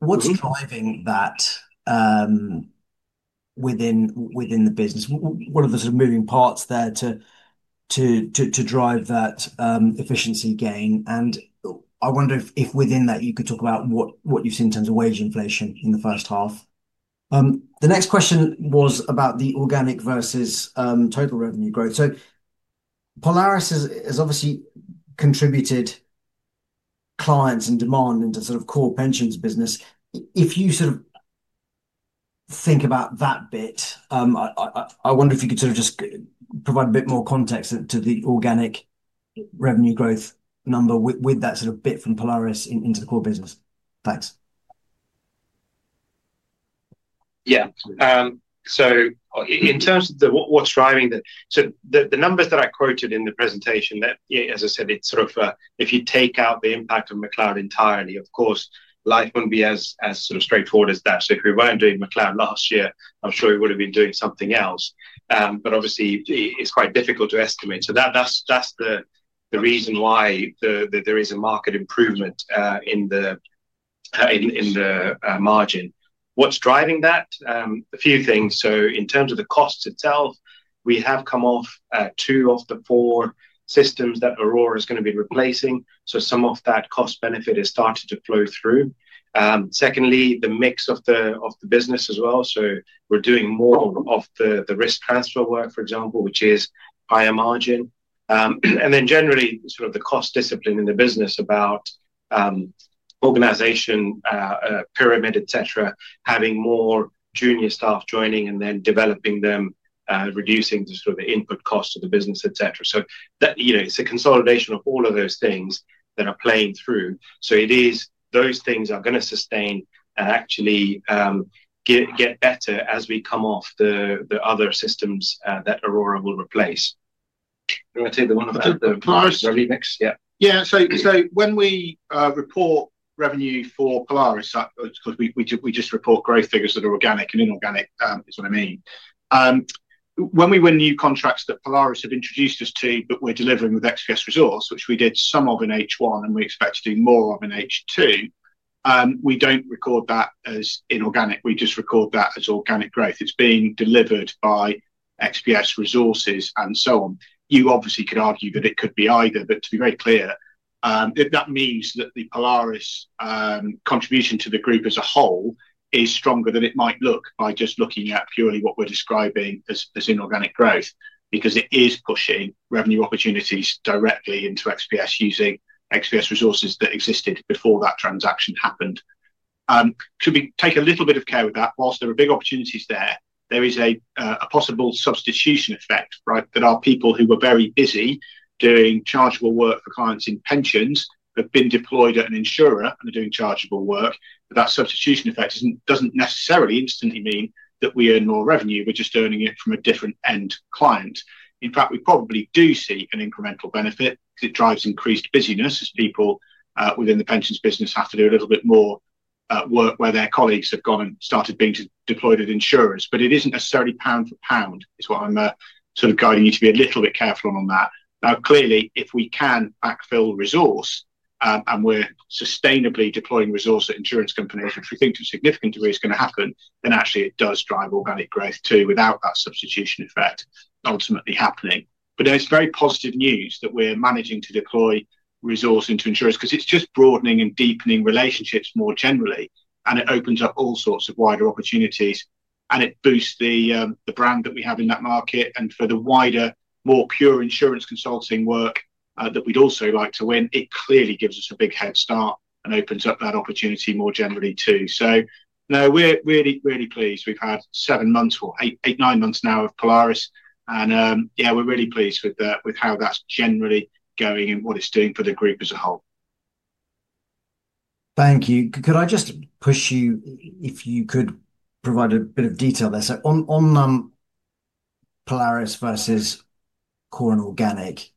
What's driving that within the business? What are the sort of moving parts there to drive that efficiency gain? I wonder if within that you could talk about what you've seen in terms of wage inflation in the first half. The next question was about the organic versus total revenue growth. Polaris has obviously contributed clients and demand into sort of core pensions business. If you sort of think about that bit, I wonder if you could sort of just provide a bit more context to the organic revenue growth number with that sort of bit from Polaris into the core business. Thanks. Yeah. In terms of what's driving the so the numbers that I quoted in the presentation, as I said, it's sort of if you take out the impact of McCloud entirely, of course, life would not be as sort of straightforward as that. If we were not doing McCloud last year, I'm sure we would have been doing something else. Obviously, it's quite difficult to estimate. That is the reason why there is a marked improvement in the margin. What's driving that? A few things. In terms of the cost itself, we have come off two of the four systems that Aurora is going to be replacing. Some of that cost benefit has started to flow through. Secondly, the mix of the business as well. We're doing more of the risk transfer work, for example, which is higher margin. Then generally, sort of the cost discipline in the business about organization, pyramid, etc., having more junior staff joining and then developing them, reducing the sort of input cost of the business, etc. It's a consolidation of all of those things that are playing through. Those things are going to sustain and actually get better as we come off the other systems that Aurora will replace. Do you want to take the one about the remix? Yeah. When we report revenue for Polaris, because we just report growth figures that are organic and inorganic, is what I mean. When we win new contracts that Polaris have introduced us to, but we're delivering with XPS Resource, which we did some of in H1 and we expect to do more of in H2, we don't record that as inorganic. We just record that as organic growth. It's being delivered by XPS Resources and so on. You obviously could argue that it could be either, but to be very clear, that means that the Polaris contribution to the group as a whole is stronger than it might look by just looking at purely what we're describing as inorganic growth because it is pushing revenue opportunities directly into XPS using XPS Resources that existed before that transaction happened. Should we take a little bit of care with that? Whilst there are big opportunities there, there is a possible substitution effect, right, that our people who were very busy doing chargeable work for clients in pensions have been deployed at an insurer and are doing chargeable work. That substitution effect does not necessarily instantly mean that we earn more revenue. We are just earning it from a different end client. In fact, we probably do see an incremental benefit because it drives increased busyness as people within the pensions business have to do a little bit more work where their colleagues have gone and started being deployed at insurers. It is not necessarily pound for pound is what I am sort of guiding you to be a little bit careful on that. Now, clearly, if we can backfill resource and we're sustainably deploying resource at insurance companies, which we think to a significant degree is going to happen, then actually it does drive organic growth too without that substitution effect ultimately happening. It is very positive news that we're managing to deploy resource into insurance because it's just broadening and deepening relationships more generally. It opens up all sorts of wider opportunities. It boosts the brand that we have in that market. For the wider, more pure insurance consulting work that we'd also like to win, it clearly gives us a big head start and opens up that opportunity more generally too. We are really, really pleased. We've had seven months or eight, nine months now of Polaris. We are really pleased with how that's generally going and what it's doing for the group as a whole. Thank you. Could I just push you, if you could provide a bit of detail there? On Polaris versus core and organic,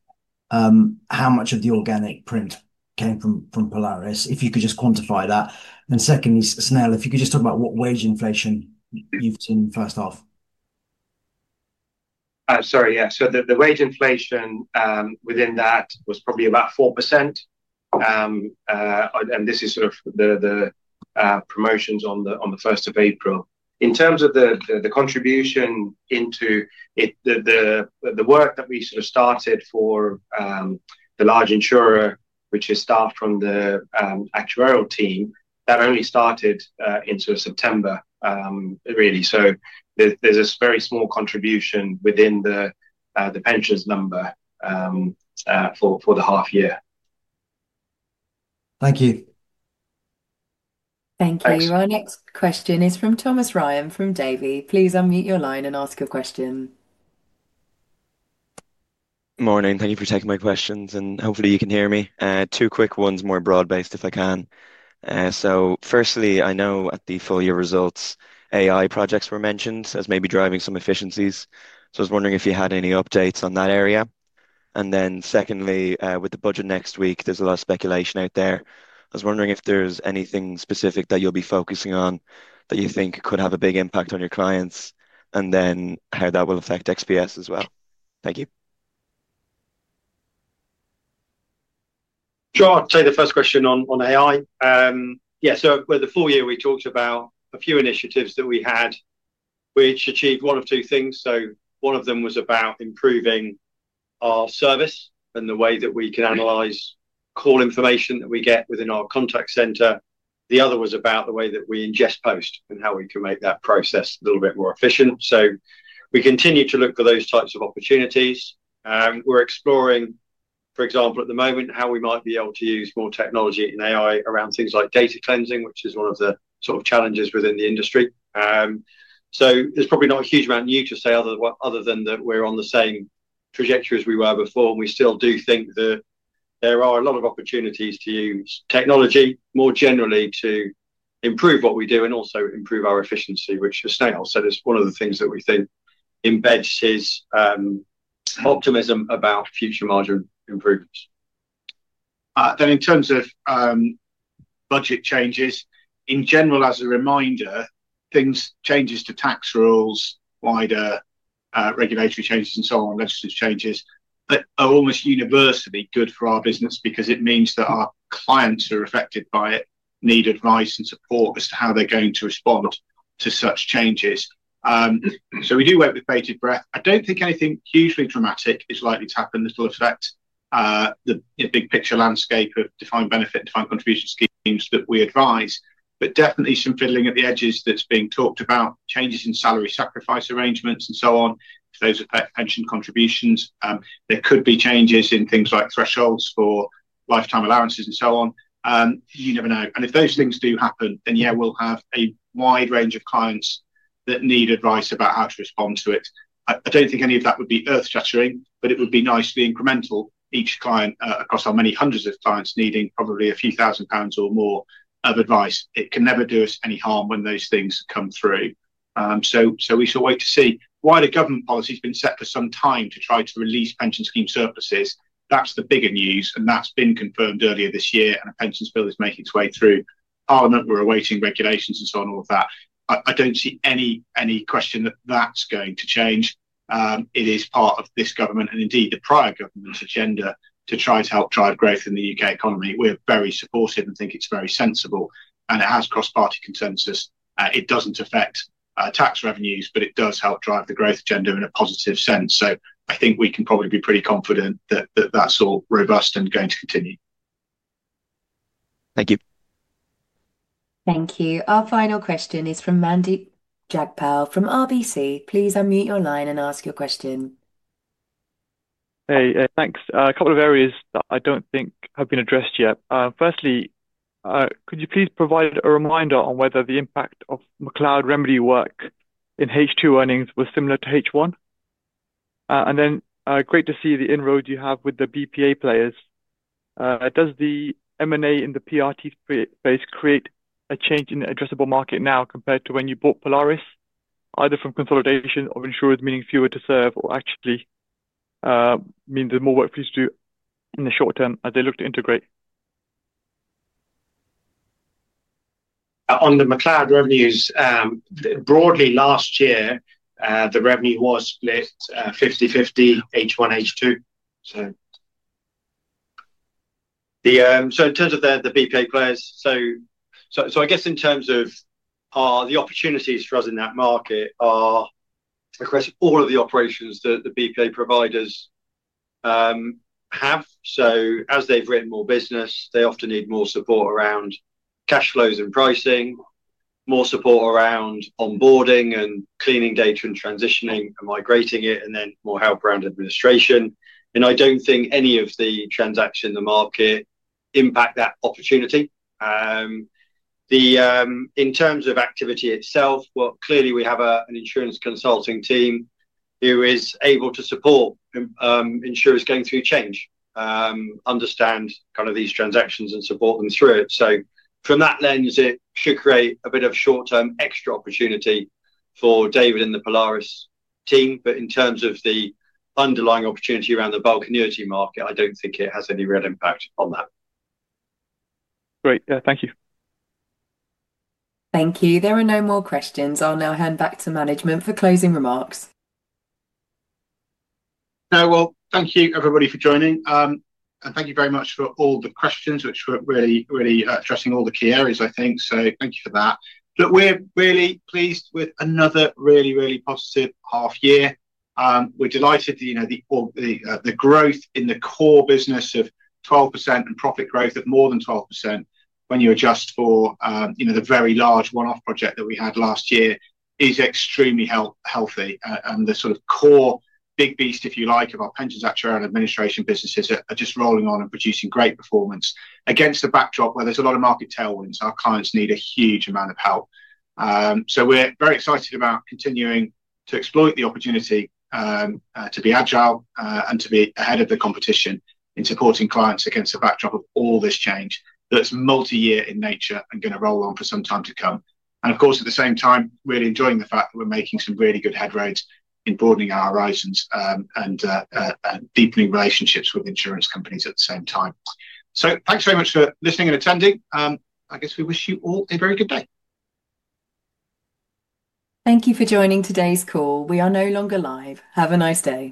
how much of the organic print came from Polaris if you could just quantify that? Secondly, Snehal, if you could just talk about what wage inflation you've seen first off. Sorry. Yeah. The wage inflation within that was probably about 4%. This is sort of the promotions on the 1st of April. In terms of the contribution into the work that we sort of started for the large insurer, which is staffed from the actuarial team, that only started in September, really. There is a very small contribution within the pensions number for the half year. Thank you. Thank you. Our next question is from Thomas Ryan from Davie. Please unmute your line and ask your question. Good morning. Thank you for taking my questions. Hopefully, you can hear me. Two quick ones, more broad-based if I can. Firstly, I know at the full year results, AI projects were mentioned as maybe driving some efficiencies. I was wondering if you had any updates on that area. Secondly, with the budget next week, there is a lot of speculation out there. I was wondering if there is anything specific that you will be focusing on that you think could have a big impact on your clients and how that will affect XPS as well. Thank you. Sure. I will take the first question on AI. Yeah. With the full year, we talked about a few initiatives that we had, which achieved one of two things. One of them was about improving our service and the way that we can analyze call information that we get within our contact center. The other was about the way that we ingest post and how we can make that process a little bit more efficient. We continue to look for those types of opportunities. We're exploring, for example, at the moment, how we might be able to use more technology and AI around things like data cleansing, which is one of the sort of challenges within the industry. There's probably not a huge amount new to say other than that we're on the same trajectory as we were before. We still do think that there are a lot of opportunities to use technology more generally to improve what we do and also improve our efficiency, which is Snell. That's one of the things that we think embeds his optimism about future margin improvements. In terms of budget changes, in general, as a reminder, things change to tax rules, wider regulatory changes, and so on, legislative changes, but are almost universally good for our business because it means that our clients who are affected by it need advice and support as to how they're going to respond to such changes. We do work with bated breath. I don't think anything hugely dramatic is likely to happen that will affect the big picture landscape of defined benefit, defined contribution schemes that we advise, but definitely some fiddling at the edges that's being talked about, changes in salary sacrifice arrangements, and so on, if those affect pension contributions. There could be changes in things like thresholds for lifetime allowances and so on. You never know. If those things do happen, then yeah, we'll have a wide range of clients that need advice about how to respond to it. I don't think any of that would be earth-shattering, but it would be nice to be incremental. Each client across our many hundreds of clients needing probably a few thousand GBP or more of advice. It can never do us any harm when those things come through. We shall wait to see. Wider government policy has been set for some time to try to release pension scheme surpluses. That's the bigger news. That has been confirmed earlier this year. A pension bill is making its way through Parliament. We're awaiting regulations and so on and all of that. I don't see any question that that's going to change. It is part of this government and indeed the prior government's agenda to try to help drive growth in the U.K. economy. We're very supportive and think it's very sensible. It has cross-party consensus. It doesn't affect tax revenues, but it does help drive the growth agenda in a positive sense. I think we can probably be pretty confident that that's all robust and going to continue. Thank you. Thank you. Our final question is from Mandeep Jagpal from RBC. Please unmute your line and ask your question. Hey. Thanks. A couple of areas that I don't think have been addressed yet. Firstly, could you please provide a reminder on whether the impact of McCloud remedy work in H2 earnings was similar to H1? Great to see the inroad you have with the BPA players. Does the M&A in the PRT space create a change in addressable market now compared to when you bought Polaris, either from consolidation of insurers meaning fewer to serve or actually mean there's more work for you to do in the short term as they look to integrate? On the McCloud revenues, broadly last year, the revenue was split 50/50 H1, H2. In terms of the BPA players, I guess in terms of the opportunities for us in that market are across all of the operations that the BPA providers have. As they've written more business, they often need more support around cash flows and pricing, more support around onboarding and cleaning data and transitioning and migrating it, and then more help around administration. I don't think any of the transactions in the market impact that opportunity. In terms of activity itself, well, clearly, we have an insurance consulting team who is able to support insurers going through change, understand kind of these transactions, and support them through it. From that lens, it should create a bit of short-term extra opportunity for David in the Polaris team. In terms of the underlying opportunity around the bulk community market, I do not think it has any real impact on that. Great. Thank you. Thank you. There are no more questions. I will now hand back to management for closing remarks. Thank you, everybody, for joining. Thank you very much for all the questions, which were really addressing all the key areas, I think. Thank you for that. Look, we are really pleased with another really, really positive half year. We're delighted the growth in the core business of 12% and profit growth of more than 12% when you adjust for the very large one-off project that we had last year is extremely healthy. The sort of core big beast, if you like, of our pensions, actuarial administration businesses are just rolling on and producing great performance against the backdrop where there's a lot of market tailwinds. Our clients need a huge amount of help. We are very excited about continuing to exploit the opportunity to be agile and to be ahead of the competition in supporting clients against the backdrop of all this change that's multi-year in nature and going to roll on for some time to come. Of course, at the same time, really enjoying the fact that we're making some really good headways in broadening our horizons and deepening relationships with insurance companies at the same time. Thanks very much for listening and attending. I guess we wish you all a very good day. Thank you for joining today's call. We are no longer live. Have a nice day.